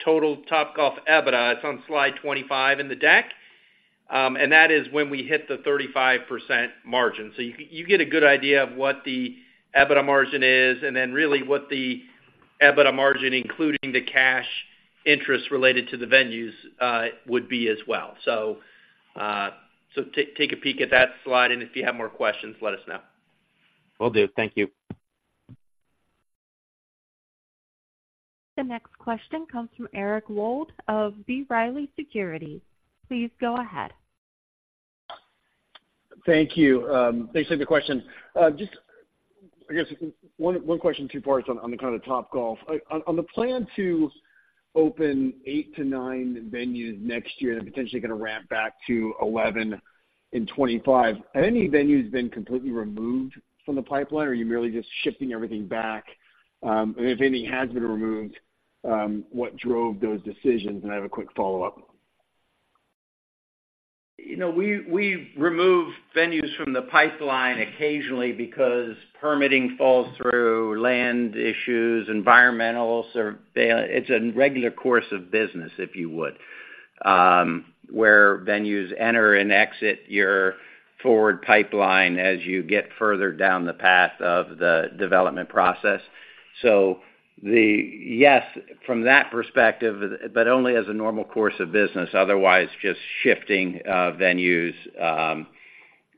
total Topgolf EBITDA. It's on slide 25 in the deck. And that is when we hit the 35% margin. So you get a good idea of what the EBITDA margin is, and then really what the EBITDA margin, including the cash interest related to the venues, would be as well. So take a peek at that slide, and if you have more questions, let us know. Will do. Thank you. The next question comes from Eric Wold of B. Riley Securities. Please go ahead. Thank you. Thanks for the question. Just, I guess, one question, two parts on the kind of Topgolf. On the plan to open 8-9 venues next year, and then potentially going to ramp back to 11 in 2025, have any venues been completely removed from the pipeline, or are you merely just shifting everything back? And if any has been removed, what drove those decisions? And I have a quick follow-up. You know, we remove venues from the pipeline occasionally because permitting falls through, land issues, environmentals, or... It's a regular course of business, if you would, where venues enter and exit your forward pipeline as you get further down the path of the development process. So yes, from that perspective, but only as a normal course of business. Otherwise, just shifting venues,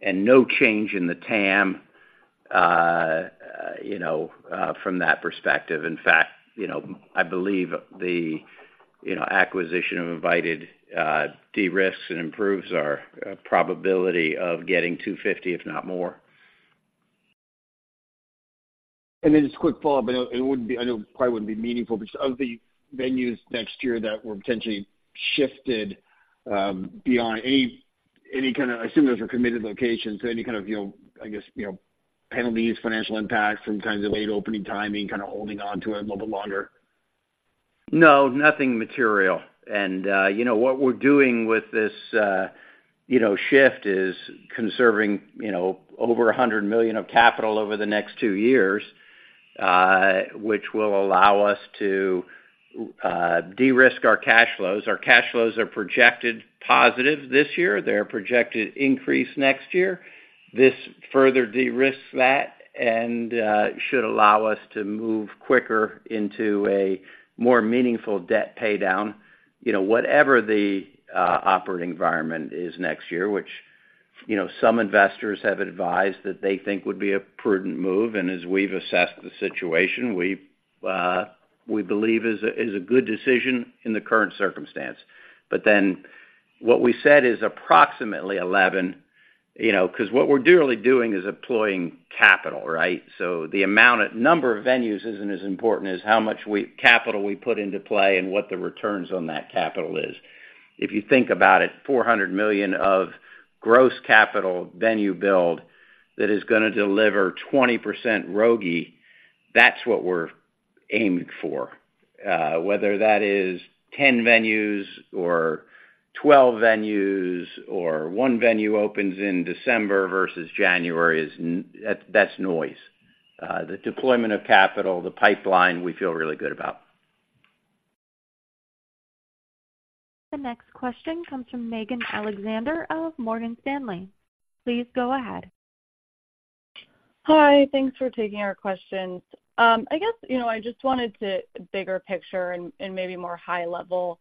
and no change in the TAM, you know, from that perspective. In fact, you know, I believe the acquisition of Invited de-risks and improves our probability of getting 250, if not more. Just a quick follow-up, I know it wouldn't be, I know it probably wouldn't be meaningful, but of the venues next year that were potentially shifted, beyond any, any kind of—I assume those are committed locations, so any kind of, you know, I guess, you know, penalties, financial impacts from kinds of late opening timing, kind of holding onto it a little bit longer? No, nothing material. And, you know, what we're doing with this, you know, shift is conserving, you know, over $100 million of capital over the next two years, which will allow us to, de-risk our cash flows. Our cash flows are projected positive this year. They're projected increase next year. This further de-risks that and, should allow us to move quicker into a more meaningful debt paydown, you know, whatever the, operating environment is next year, which, you know, some investors have advised that they think would be a prudent move. And as we've assessed the situation, we, we believe is a, is a good decision in the current circumstance. But then, what we said is approximately $11, you know, because what we're really doing is employing capital, right? So the amount of number of venues isn't as important as how much capital we put into play and what the returns on that capital is. If you think about it, $400 million of gross capital venue build that is gonna deliver 20% ROGI, that's what we're aiming for. Whether that is 10 venues or 12 venues, or one venue opens in December versus January, is. That's noise. The deployment of capital, the pipeline, we feel really good about. The next question comes from Megan Alexander of Morgan Stanley. Please go ahead. Hi, thanks for taking our questions. I guess, you know, I just wanted to bigger picture and maybe more high level.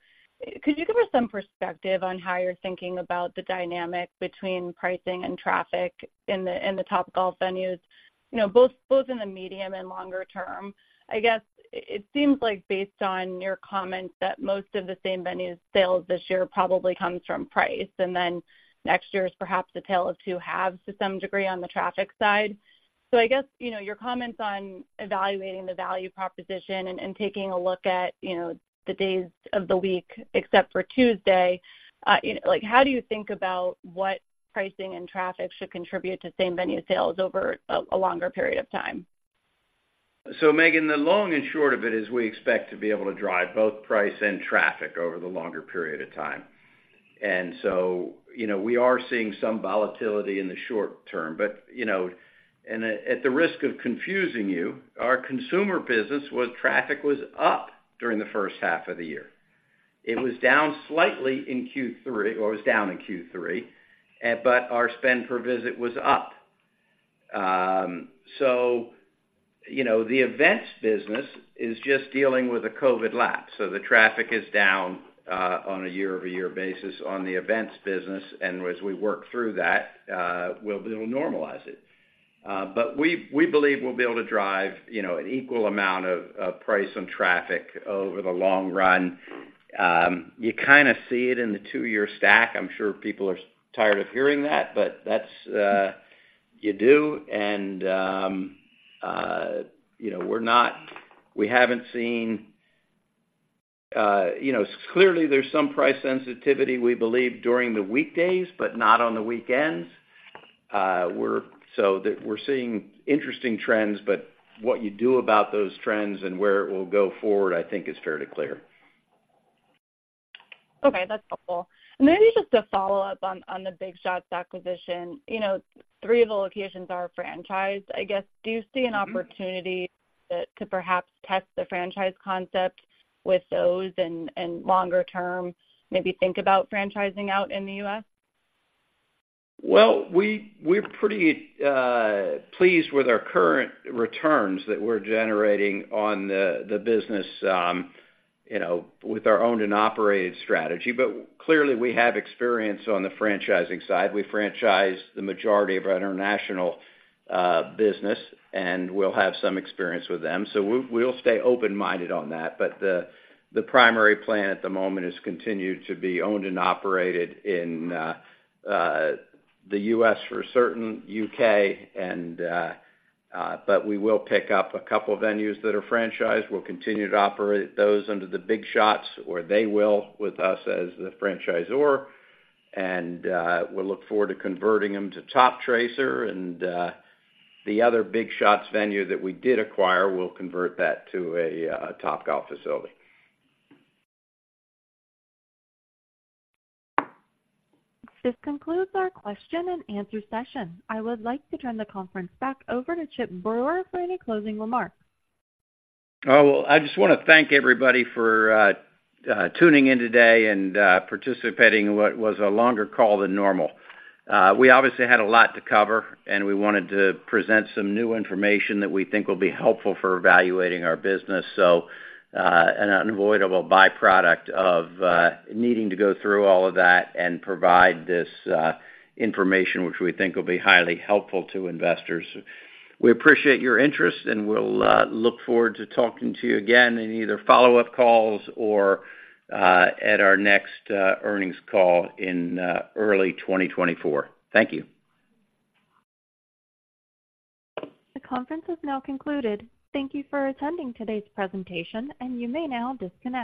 Could you give us some perspective on how you're thinking about the dynamic between pricing and traffic in the Topgolf venues? You know, both in the medium and longer term. I guess it seems like based on your comments, that most of the same-venue sales this year probably comes from price, and then next year is perhaps a tale of two halves to some degree on the traffic side.... So I guess, you know, your comments on evaluating the value proposition and taking a look at, you know, the days of the week, except for Tuesday, you know, like, how do you think about what pricing and traffic should contribute to same-venue sales over a longer period of time? So, Megan, the long and short of it is we expect to be able to drive both price and traffic over the longer period of time. And so, you know, we are seeing some volatility in the short term, but, you know, and at the risk of confusing you, our consumer business was—traffic was up during the first half of the year. It was down slightly in Q3, or it was down in Q3, but our spend per visit was up. So, you know, the events business is just dealing with a COVID lapse, so the traffic is down, on a year-over-year basis on the events business, and as we work through that, we'll, it'll normalize it. But we, we believe we'll be able to drive, you know, an equal amount of, of price and traffic over the long run. You kind of see it in the two-year stack. I'm sure people are tired of hearing that, but that's... You do, and, you know, we're not, we haven't seen, you know, clearly there's some price sensitivity, we believe, during the weekdays, but not on the weekends. We're seeing interesting trends, but what you do about those trends and where it will go forward, I think is fairly clear. Okay, that's helpful. Maybe just to follow up on the Big Shots acquisition. You know, three of the locations are franchised. I guess, do you see an opportunity that could perhaps test the franchise concept with those and longer term, maybe think about franchising out in the US? Well, we're pretty pleased with our current returns that we're generating on the business, you know, with our owned and operated strategy. But clearly, we have experience on the franchising side. We franchise the majority of our international business, and we'll have some experience with them, so we'll stay open-minded on that. But the primary plan at the moment is continue to be owned and operated in the U.S., for certain, U.K., and but we will pick up a couple venues that are franchised. We'll continue to operate those under the Big Shots, or they will with us as the franchisor, and we'll look forward to converting them to Toptracer and the other Big Shots venue that we did acquire, we'll convert that to a Topgolf facility. This concludes our question and answer session. I would like to turn the conference back over to Chip Brewer for any closing remarks. Oh, well, I just want to thank everybody for tuning in today and participating in what was a longer call than normal. We obviously had a lot to cover, and we wanted to present some new information that we think will be helpful for evaluating our business. So, an unavoidable byproduct of needing to go through all of that and provide this information, which we think will be highly helpful to investors. We appreciate your interest, and we'll look forward to talking to you again in either follow-up calls or at our next earnings call in early 2024. Thank you. The conference has now concluded. Thank you for attending today's presentation, and you may now disconnect.